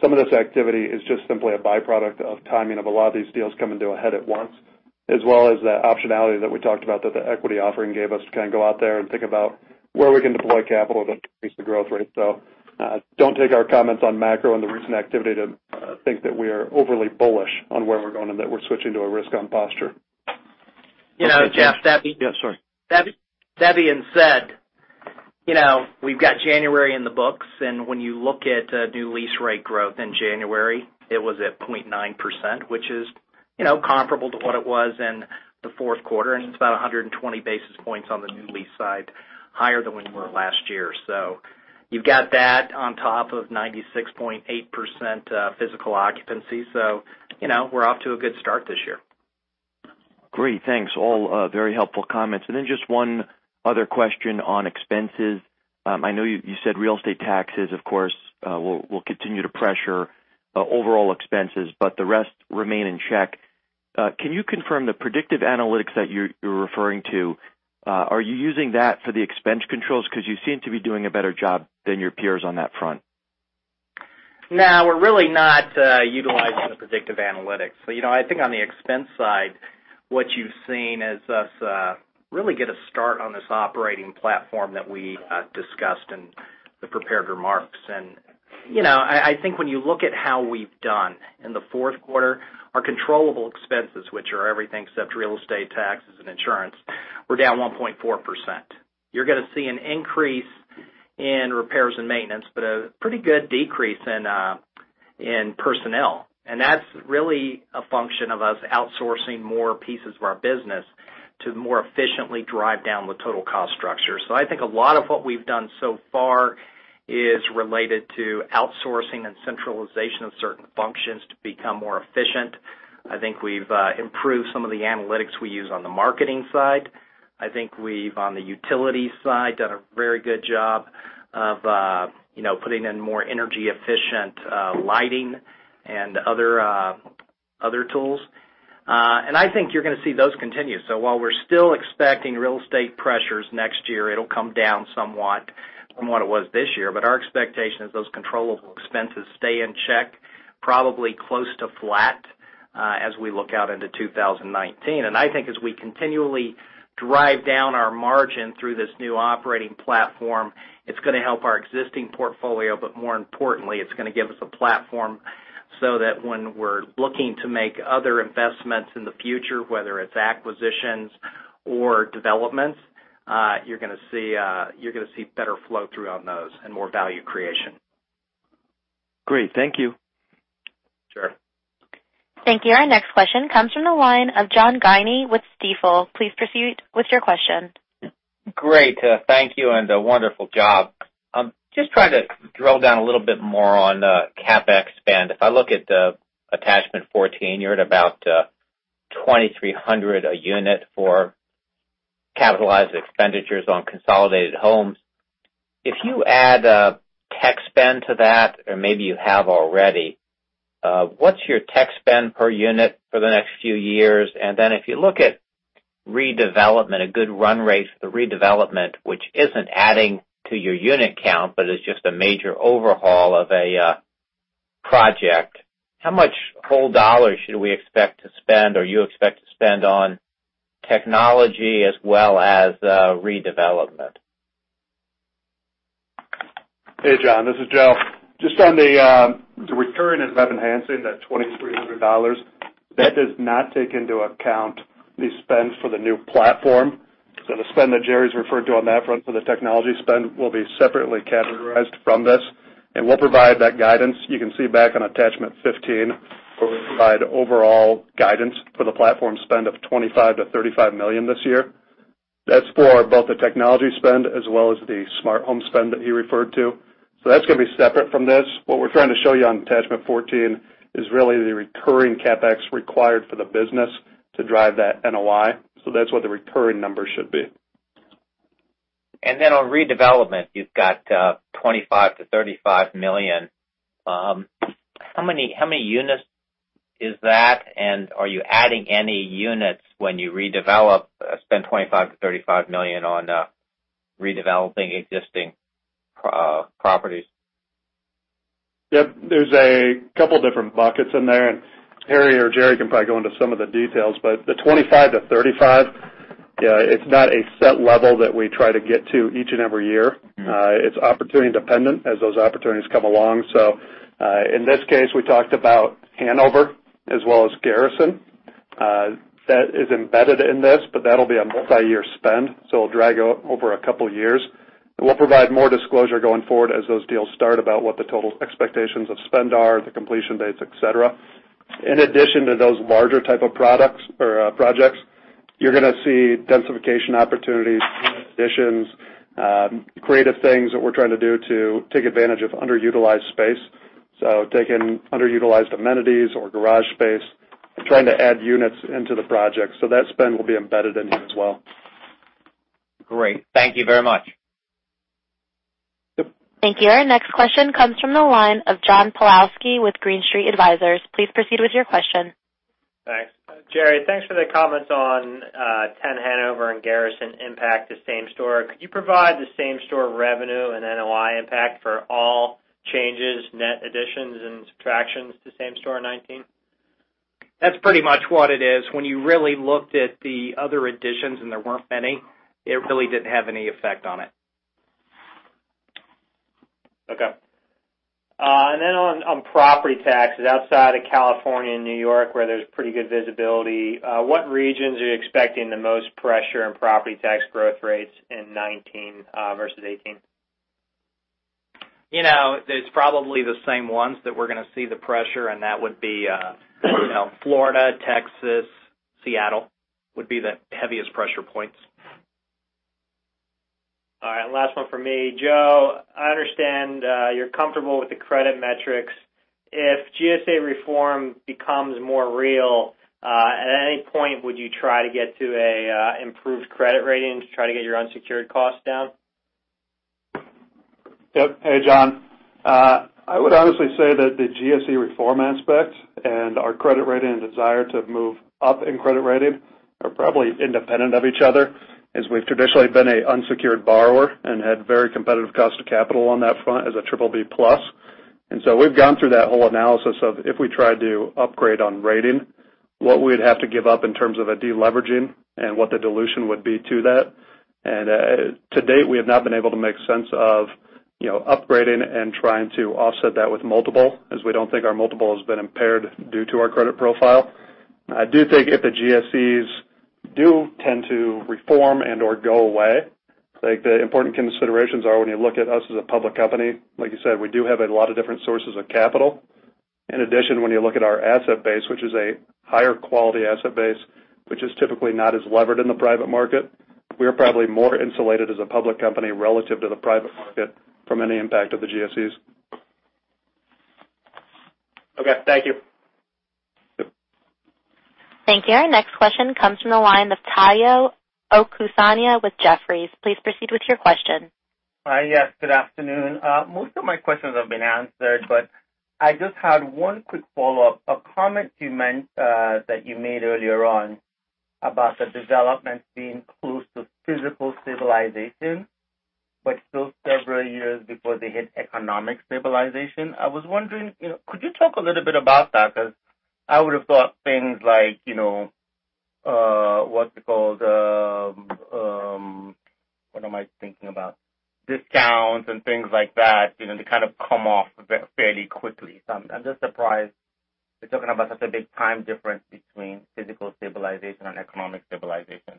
Some of this activity is just simply a byproduct of timing of a lot of these deals coming to a head at once, as well as that optionality that we talked about that the equity offering gave us to kind of go out there and think about where we can deploy capital to increase the growth rate. Don't take our comments on macro and the recent activity to think that we are overly bullish on where we're going and that we're switching to a risk-on posture. You know, Jeff. Yeah, sorry. That being said, we've got January in the books. When you look at new lease rate growth in January, it was at 0.9%, which is comparable to what it was in the fourth quarter. It's about 120 basis points on the new lease side, higher than we were last year. You've got that on top of 96.8% physical occupancy. We're off to a good start this year. Great. Thanks. All very helpful comments. Then just one other question on expenses. I know you said real estate taxes, of course, will continue to pressure overall expenses, the rest remain in check. Can you confirm the predictive analytics that you're referring to? Are you using that for the expense controls? You seem to be doing a better job than your peers on that front. No, we're really not utilizing the predictive analytics. I think on the expense side, what you've seen is us really get a start on this operating platform that we discussed in the prepared remarks. I think when you look at how we've done in the fourth quarter, our controllable expenses, which are everything except real estate taxes and insurance, were down 1.4%. You're going to see an increase in repairs and maintenance, a pretty good decrease in personnel. That's really a function of us outsourcing more pieces of our business to more efficiently drive down the total cost structure. I think a lot of what we've done so far is related to outsourcing and centralization of certain functions to become more efficient. I think we've improved some of the analytics we use on the marketing side. I think we've, on the utility side, done a very good job of putting in more energy-efficient lighting and other tools. I think you're going to see those continue. While we're still expecting real estate pressures next year, it'll come down somewhat from what it was this year. Our expectation is those controllable expenses stay in check, probably close to flat, as we look out into 2019. I think as we continually drive down our margin through this new operating platform, it's going to help our existing portfolio, more importantly, it's going to give us a platform so that when we're looking to make other investments in the future, whether it's acquisitions or developments, you're going to see better flow through on those and more value creation. Great. Thank you. Sure. Okay. Thank you. Our next question comes from the line of John Guinee with Stifel. Please proceed with your question. Great. Thank you, a wonderful job. Just trying to drill down a little bit more on the CapEx spend. If I look at attachment 14, you're at about $2,300 a unit for capitalized expenditures on consolidated homes. If you add tech spend to that, or maybe you have already, what's your tech spend per unit for the next few years? If you look at redevelopment, a good run rate for redevelopment, which isn't adding to your unit count, but is just a major overhaul of a project, how much whole dollars should we expect to spend or you expect to spend on technology as well as redevelopment? Hey, John, this is Joe. Just on the recurring and rev enhancing, that $2,300, that does not take into account the spends for the new platform. The spend that Jerry's referred to on that front for the technology spend will be separately categorized from this, and we'll provide that guidance. You can see back on attachment 15, where we provide overall guidance for the platform spend of $25 million-$35 million this year. That's for both the technology spend as well as the smart home spend that he referred to. That's going to be separate from this. What we're trying to show you on attachment 14 is really the recurring CapEx required for the business to drive that NOI. That's what the recurring number should be. On redevelopment, you've got $25 million-$35 million. How many units is that? Are you adding any units when you redevelop, spend $25 million-$35 million on redeveloping existing properties? There's a couple different buckets in there, Harry or Jerry can probably go into some of the details, but the $25-$35, it's not a set level that we try to get to each and every year. It's opportunity-dependent as those opportunities come along. In this case, we talked about Hanover as well as Garrison Square. That is embedded in this, but that'll be a multi-year spend, so it'll drag out over a couple of years. We'll provide more disclosure going forward as those deals start about what the total expectations of spend are, the completion dates, et cetera. In addition to those larger type of products or projects, you're going to see densification opportunities, unit additions, creative things that we're trying to do to take advantage of underutilized space. Taking underutilized amenities or garage space and trying to add units into the project. That spend will be embedded in here as well. Great. Thank you very much. Yep. Thank you. Our next question comes from the line of John Pawlowski with Green Street Advisors. Please proceed with your question. Thanks. Jerry, thanks for the comments on 10 Hanover and Garrison impact to same store. Could you provide the same store revenue and NOI impact for all changes, net additions, and subtractions to same store 2019? That's pretty much what it is. When you really looked at the other additions, and there weren't many, it really didn't have any effect on it. Okay. On property taxes outside of California and New York, where there's pretty good visibility, what regions are you expecting the most pressure in property tax growth rates in 2019 versus 2018? It's probably the same ones that we're going to see the pressure. That would be Florida, Texas, Seattle, would be the heaviest pressure points. All right. Last one from me. Joe, I understand you're comfortable with the credit metrics. If GSE reform becomes more real, at any point, would you try to get to an improved credit rating to try to get your unsecured costs down? Yep. Hey, John. I would honestly say that the GSE reform aspect and our credit rating desire to move up in credit rating are probably independent of each other, as we've traditionally been an unsecured borrower and had very competitive cost of capital on that front as a BBB+. We've gone through that whole analysis of if we tried to upgrade on rating, what we would have to give up in terms of a de-leveraging and what the dilution would be to that. To date, we have not been able to make sense of upgrading and trying to offset that with multiple, as we don't think our multiple has been impaired due to our credit profile. I do think if the GSEs do tend to reform and/or go away, the important considerations are when you look at us as a public company, like you said, we do have a lot of different sources of capital. In addition, when you look at our asset base, which is a higher quality asset base, which is typically not as levered in the private market, we are probably more insulated as a public company relative to the private market from any impact of the GSEs. Okay. Thank you. Yep. Thank you. Our next question comes from the line of Tayo Okusanya with Jefferies. Please proceed with your question. Hi. Yes, good afternoon. Most of my questions have been answered, but I just had one quick follow-up. A comment that you made earlier on about the developments being close to physical stabilization, but still several years before they hit economic stabilization. I was wondering, could you talk a little bit about that? Because I would've thought things like what's it called? What am I thinking about? Discounts and things like that, they kind of come off fairly quickly. I'm just surprised you're talking about such a big time difference between physical stabilization and economic stabilization.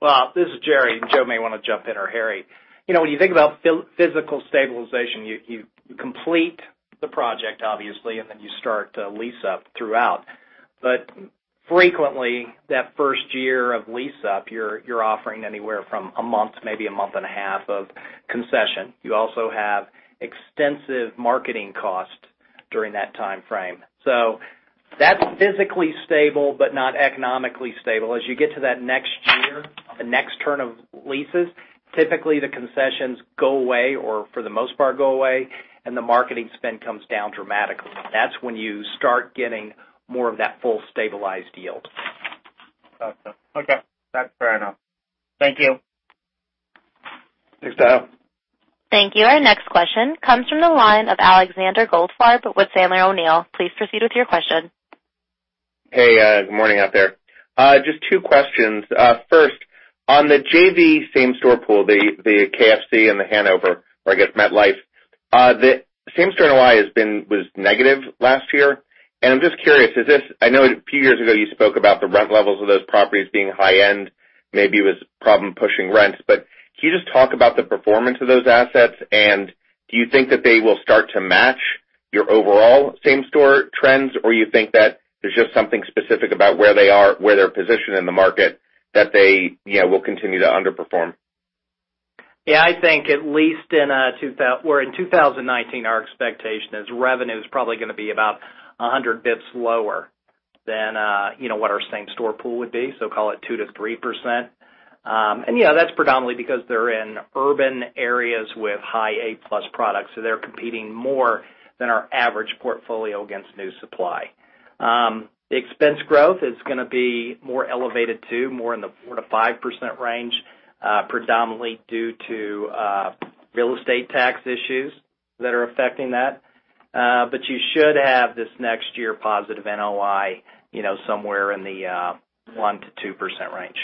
Well, this is Jerry. Joe may want to jump in or Harry. When you think about physical stabilization, you complete the project, obviously, and then you start to lease up throughout. Frequently, that first year of lease-up, you're offering anywhere from a month to maybe a month and a half of concession. You also have extensive marketing costs during that timeframe. That's physically stable but not economically stable. As you get to that next year, the next turn of leases, typically the concessions go away, or for the most part go away, and the marketing spend comes down dramatically. That's when you start getting more of that full stabilized yield. Got you. Okay. That's fair enough. Thank you. Thanks, Tayo. Thank you. Our next question comes from the line of Alexander Goldfarb with Sandler O'Neill. Please proceed with your question. Hey, good morning out there. Just two questions. First, on the JV same-store pool, the KFC and the Hanover, or I guess MetLife. The same-store NOI was negative last year. I'm just curious, I know a few years ago you spoke about the rent levels of those properties being high-end, maybe it was a problem pushing rents. Can you just talk about the performance of those assets, and do you think that they will start to match your overall same-store trends, or you think that there's just something specific about where they are, where they're positioned in the market, that they will continue to underperform? I think in 2019, our expectation is revenue is probably going to be about 100 basis points lower than what our same-store pool would be, so call it 2%-3%. That's predominantly because they're in urban areas with high A+ products, so they're competing more than our average portfolio against new supply. The expense growth is going to be more elevated too, more in the 4%-5% range, predominantly due to real estate tax issues that are affecting that. You should have this next year positive NOI, somewhere in the 1%-2% range.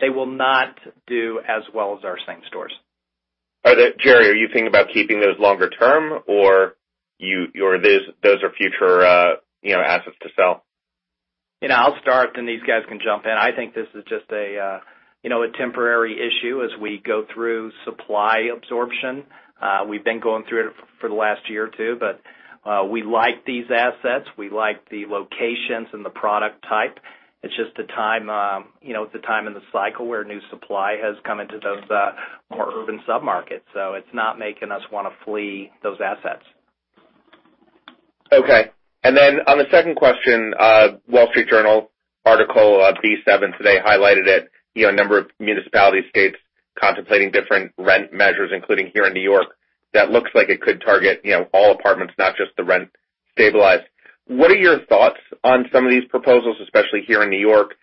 They will not do as well as our same stores. Are they, Jerry, are you thinking about keeping those longer term or those are future assets to sell? I'll start. These guys can jump in. I think this is just a temporary issue as we go through supply absorption. We've been going through it for the last year or two, we like these assets. We like the locations and the product type. It's just the time in the cycle where new supply has come into those more urban sub-markets, it's not making us want to flee those assets. Okay. On the second question, Wall Street Journal article B7 today highlighted it, a number of municipality states contemplating different rent measures, including here in New York, that looks like it could target all apartments, not just the rent stabilized. What are your thoughts on some of these proposals, especially here in New York,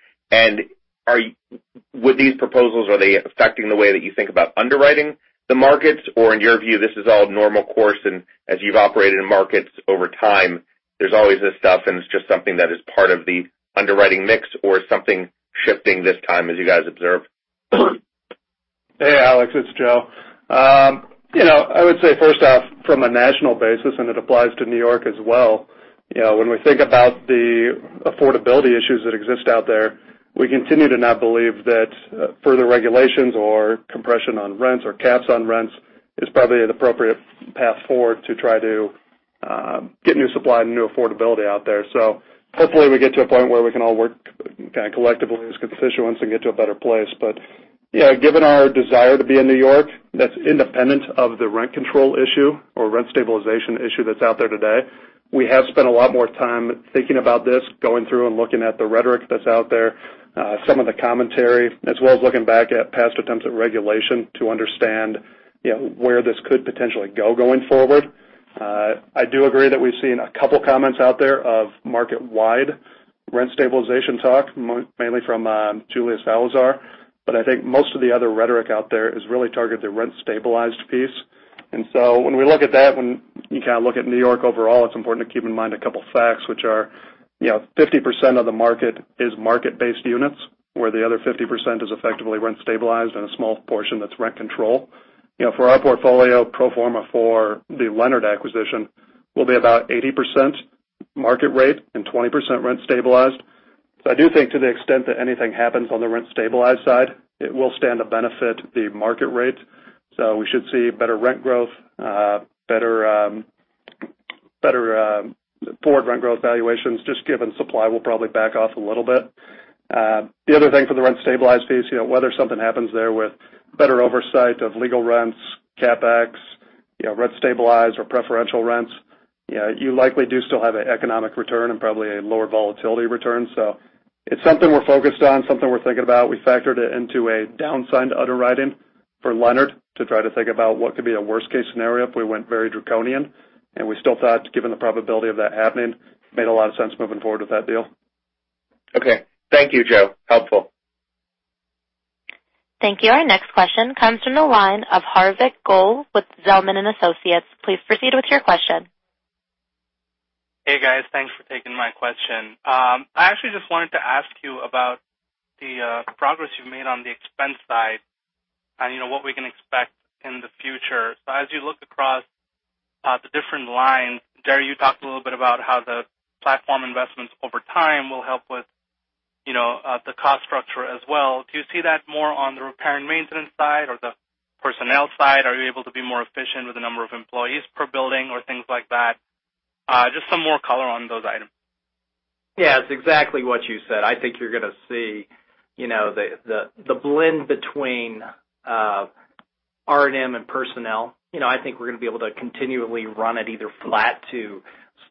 with these proposals, are they affecting the way that you think about underwriting the markets? In your view, this is all normal course and as you've operated in markets over time, there's always this stuff and it's just something that is part of the underwriting mix or something shifting this time as you guys observe? Hey, Alex, it's Joe. I would say first off, from a national basis, and it applies to New York as well, when we think about the affordability issues that exist out there, we continue to not believe that further regulations or compression on rents or caps on rents is probably an appropriate path forward to try to get new supply and new affordability out there. Hopefully we get to a point where we can all work kind of collectively as constituents and get to a better place. Given our desire to be in New York, that's independent of the rent control issue or rent stabilization issue that's out there today. We have spent a lot more time thinking about this, going through and looking at the rhetoric that's out there, some of the commentary, as well as looking back at past attempts at regulation to understand where this could potentially go going forward. I do agree that we've seen a couple comments out there of market-wide rent stabilization talk, mainly from Julia Salazar, but I think most of the other rhetoric out there is really targeted to rent-stabilized piece. When we look at that, when you kind of look at New York overall, it's important to keep in mind a couple of facts, which are 50% of the market is market-based units, where the other 50% is effectively rent-stabilized and a small portion that's rent control. For our portfolio, pro forma for the Leonard acquisition will be about 80% market rate and 20% rent-stabilized. I do think to the extent that anything happens on the rent-stabilized side, it will stand to benefit the market rate. We should see better rent growth, better forward rent growth valuations, just given supply will probably back off a little bit. The other thing for the rent-stabilized piece, whether something happens there with better oversight of legal rents, CapEx, rent stabilized or preferential rents, you likely do still have an economic return and probably a lower volatility return. It's something we're focused on, something we're thinking about. We factored it into a downside underwriting for Leonard to try to think about what could be a worst-case scenario if we went very draconian, and we still thought given the probability of that happening, made a lot of sense moving forward with that deal. Okay. Thank you, Joe. Helpful. Thank you. Our next question comes from the line of Hardik Goel with Zelman & Associates. Please proceed with your question. Hey, guys. Thanks for taking my question. I actually just wanted to ask you about the progress you've made on the expense side and what we can expect in the future. As you look across the different lines, Jerry, you talked a little bit about how the platform investments over time will help with the cost structure as well. Do you see that more on the repair and maintenance side or the personnel side? Are you able to be more efficient with the number of employees per building or things like that? Just some more color on those items. Yeah, it's exactly what you said. I think you're going to see the blend between R&M and personnel. I think we're going to be able to continually run it either flat to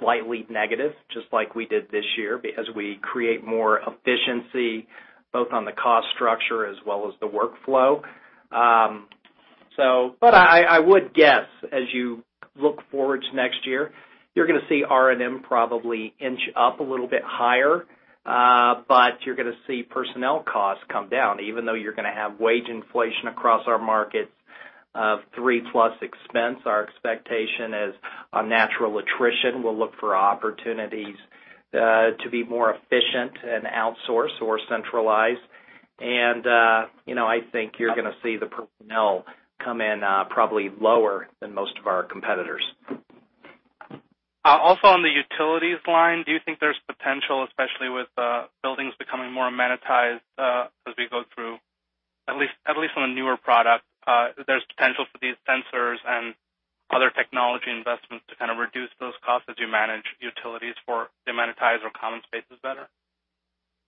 slightly negative, just like we did this year, as we create more efficiency, both on the cost structure as well as the workflow. I would guess, as you look forward to next year, you're going to see R&M probably inch up a little bit higher, but you're going to see personnel costs come down, even though you're going to have wage inflation across our markets of 3-plus expense. Our expectation is on natural attrition, we'll look for opportunities to be more efficient and outsource or centralize. I think you're going to see the personnel come in probably lower than most of our competitors. Also on the utilities line, do you think there's potential, especially with buildings becoming more amenitized as we go through, at least on the newer product, there's potential for these sensors and other technology investments to kind of reduce those costs as you manage utilities for demonetize or common spaces better?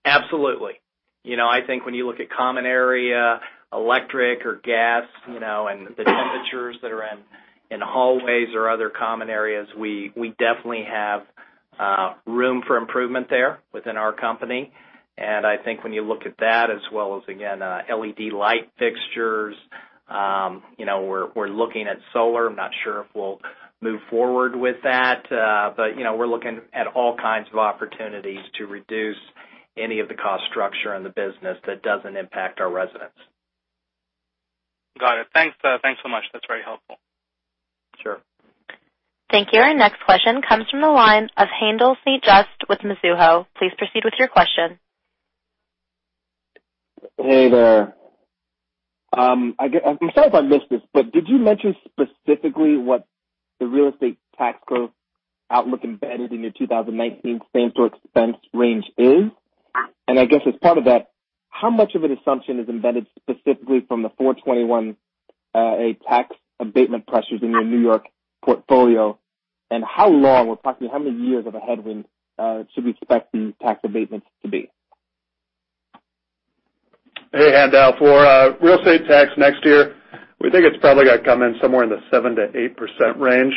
Absolutely. I think when you look at common area electric or gas, and the temperatures that are in hallways or other common areas, we definitely have room for improvement there within our company. I think when you look at that, as well as, again, LED light fixtures, we're looking at solar. I'm not sure if we'll move forward with that. We're looking at all kinds of opportunities to reduce any of the cost structure in the business that doesn't impact our residents. Got it. Thanks so much. That's very helpful. Sure. Thank you. Our next question comes from the line of Haendel St. Juste with Mizuho. Please proceed with your question. Hey there. I'm sorry if I missed this, did you mention specifically what the real estate tax growth outlook embedded in your 2019 same store expense range is? I guess as part of that, how much of an assumption is embedded specifically from the 421-a tax abatement pressures in your New York portfolio? How long, we're talking how many years of a headwind, should we expect the tax abatements to be? Hey, Haendel. For real estate tax next year, we think it's probably going to come in somewhere in the 7%-8% range.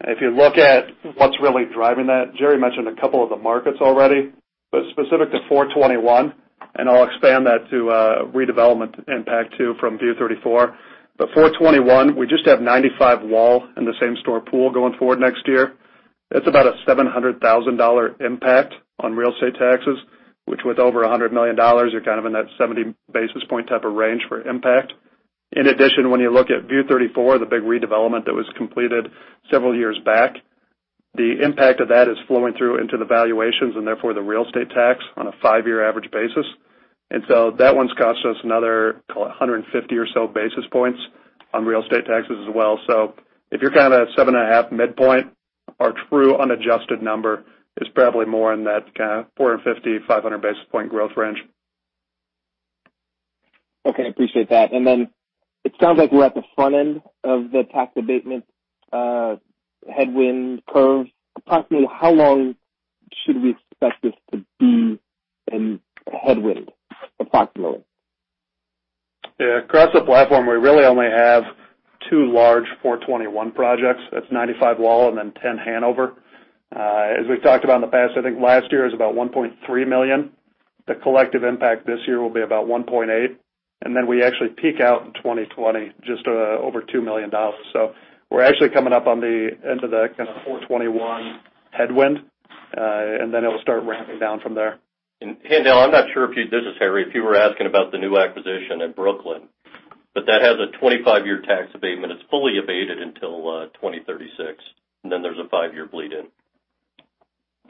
If you look at what's really driving that, Jerry mentioned a couple of the markets already, but specific to 421-a, and I'll expand that to redevelopment impact too from View 34. 421-a, we just have 95 Wall in the same store pool going forward next year. That's about a $700,000 impact on real estate taxes, which with over $100 million are kind of in that 70 basis point type of range for impact. In addition, when you look at View 34, the big redevelopment that was completed several years back, the impact of that is flowing through into the valuations and therefore the real estate tax on a five-year average basis. That one's cost us another, call it 150 or so basis points on real estate taxes as well. If you're kind of at 7.5 midpoint, our true unadjusted number is probably more in that kind of 450, 500 basis point growth range. Okay, appreciate that. It sounds like we're at the front end of the tax abatement headwind curve. Approximately how long should we expect this to be an headwind, approximately? Yeah. Across the platform, we really only have two large 421 projects. That's 95 Wall and then 10 Hanover. As we've talked about in the past, I think last year it was about $1.3 million. The collective impact this year will be about $1.8 million, and then we actually peak out in 2020, just over $2 million. We're actually coming up on the end of that 421 headwind, and then it'll start ramping down from there. Haendel, This is Harry. If you were asking about the new acquisition at Brooklyn, that has a 25-year tax abatement. It's fully abated until 2036, there's a five-year bleed in.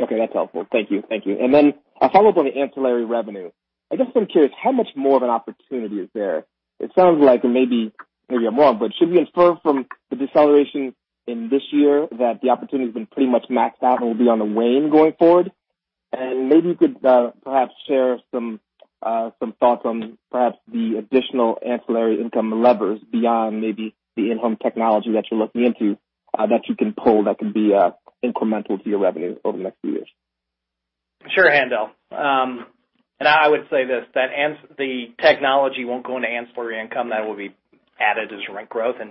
Okay, that's helpful. Thank you. A follow-up on the ancillary revenue. I guess I'm curious how much more of an opportunity is there? It sounds like, and maybe I'm wrong, should we infer from the deceleration in this year that the opportunity's been pretty much maxed out and will be on the wane going forward? Maybe you could perhaps share some thoughts on perhaps the additional ancillary income levers beyond maybe the in-home technology that you're looking into, that you can pull that can be incremental to your revenue over the next few years. Sure, Haendel. I would say this, that the technology won't go into ancillary income. That will be added as rent growth. When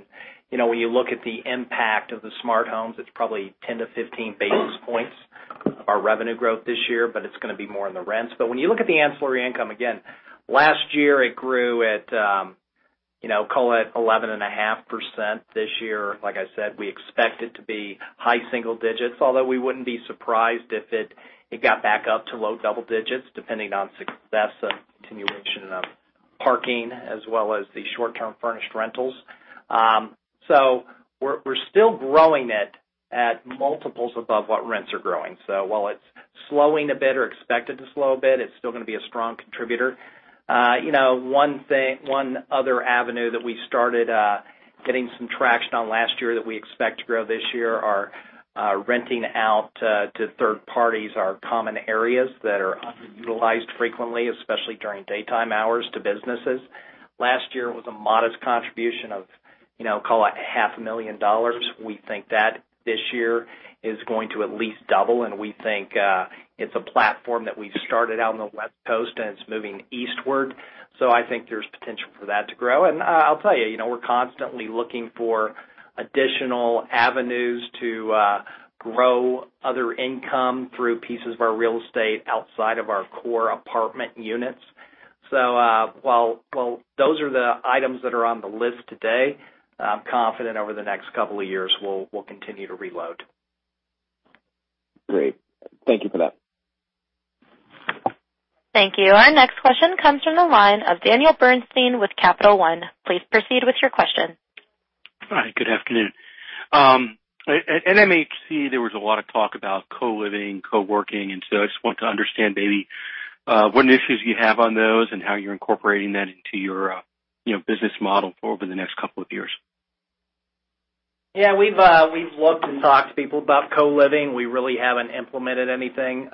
you look at the impact of the smart homes, it's probably 10 to 15 basis points of our revenue growth this year, it's going to be more in the rents. When you look at the ancillary income, again, last year, it grew at, call it 11.5%. This year, like I said, we expect it to be high single digits, although we wouldn't be surprised if it got back up to low double digits, depending on success and continuation of parking as well as the short-term furnished rentals. We're still growing it at multiples above what rents are growing. While it's slowing a bit or expected to slow a bit, it's still going to be a strong contributor. One other avenue that we started getting some traction on last year that we expect to grow this year are renting out to third parties our common areas that are underutilized frequently, especially during daytime hours to businesses. Last year, it was a modest contribution of, call it half a million dollars. We think that this year is going to at least double, we think it's a platform that we've started out on the West Coast, it's moving eastward. I think there's potential for that to grow. I'll tell you, we're constantly looking for additional avenues to grow other income through pieces of our real estate outside of our core apartment units. While those are the items that are on the list today, I'm confident over the next couple of years we'll continue to reload. Great. Thank you for that. Thank you. Our next question comes from the line of Daniel Bernstein with Capital One. Please proceed with your question. Hi, good afternoon. At NMHC, there was a lot of talk about co-living, co-working, I just want to understand maybe what initiatives you have on those and how you're incorporating that into your business model over the next couple of years. Yeah, we've looked and talked to people about co-living. We really haven't implemented anything.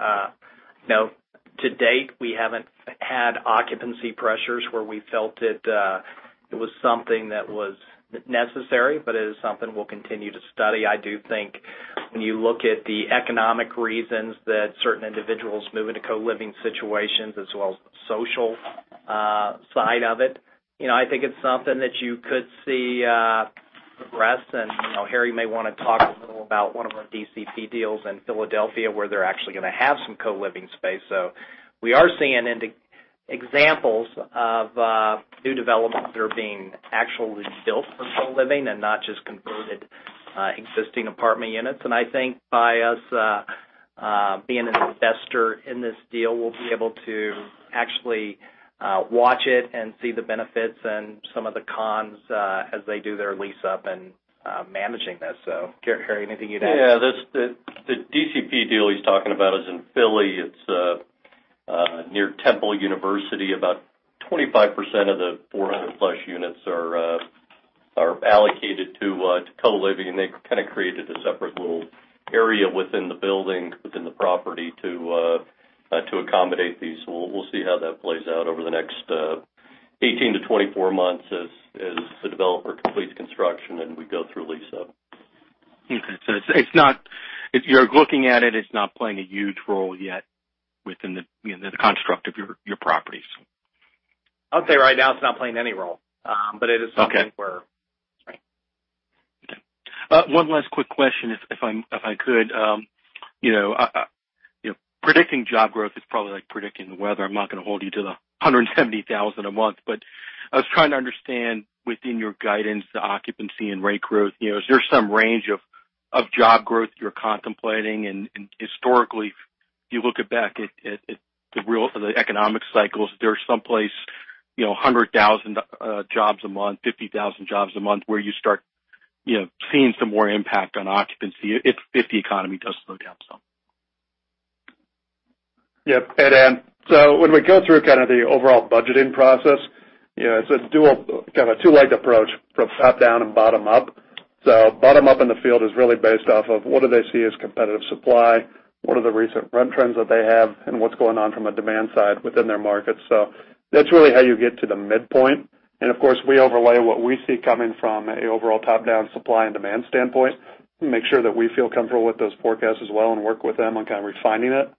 To date, we haven't had occupancy pressures where we felt it was something that was necessary, but it is something we'll continue to study. I do think when you look at the economic reasons that certain individuals move into co-living situations as well as the social side of it, I think it's something that you could see progress, and Harry may want to talk a little about one of our DCP deals in Philadelphia, where they're actually going to have some co-living space. We are seeing examples of new developments that are being actually built for co-living and not just converted existing apartment units. I think by us being an investor in this deal, we'll be able to actually watch it and see the benefits and some of the cons as they do their lease-up and managing this. Harry, anything you'd add? Yeah. The DCP deal he's talking about is in Philly. It's near Temple University. About 25% of the 400-plus units are- To co-living, they kind of created a separate little area within the building, within the property to accommodate these. We'll see how that plays out over the next 18 to 24 months as the developer completes construction and we go through lease-up. Okay. You're looking at it's not playing a huge role yet within the construct of your properties. I would say right now it's not playing any role. It is something where. Okay. All right. Okay. One last quick question, if I could. Predicting job growth is probably like predicting the weather. I'm not going to hold you to the 170,000 a month, I was trying to understand within your guidance, the occupancy and rate growth, is there some range of job growth you're contemplating? Historically, if you look at back at the economic cycles, is there someplace, 100,000 jobs a month, 50,000 jobs a month, where you start seeing some more impact on occupancy if the economy does slow down some? Yeah. When we go through kind of the overall budgeting process, it's a kind of a two-legged approach from top-down and bottom-up. Bottom-up in the field is really based off of what do they see as competitive supply, what are the recent rent trends that they have, and what's going on from a demand side within their markets. That's really how you get to the midpoint. Of course, we overlay what we see coming from an overall top-down supply and demand standpoint, make sure that we feel comfortable with those forecasts as well and work with them on kind of refining it.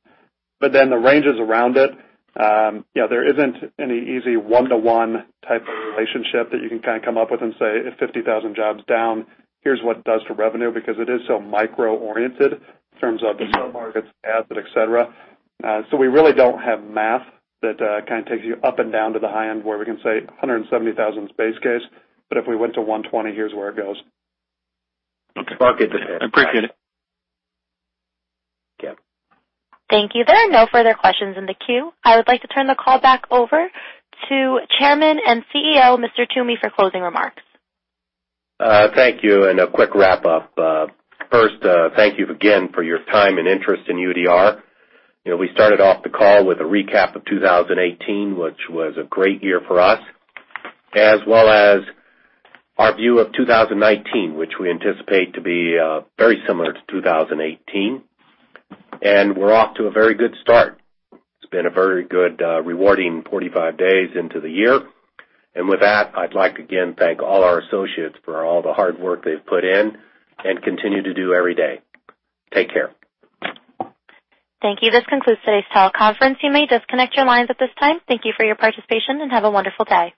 The ranges around it, there isn't any easy one-to-one type of relationship that you can kind of come up with and say, if 50,000 jobs down, here's what it does to revenue, because it is so micro-oriented in terms of the sub-markets, assets, et cetera. We really don't have math that kind of takes you up and down to the high end where we can say 170,000 is base case, if we went to 120, here's where it goes. Okay. I appreciate it. Yeah. Thank you. There are no further questions in the queue. I would like to turn the call back over to Chairman and CEO, Mr. Toomey, for closing remarks. Thank you, a quick wrap-up. First, thank you again for your time and interest in UDR. We started off the call with a recap of 2018, which was a great year for us, as well as our view of 2019, which we anticipate to be very similar to 2018. We're off to a very good start. It's been a very good rewarding 45 days into the year. With that, I'd like again thank all our associates for all the hard work they've put in and continue to do every day. Take care. Thank you. This concludes today's teleconference. You may disconnect your lines at this time. Thank you for your participation, and have a wonderful day.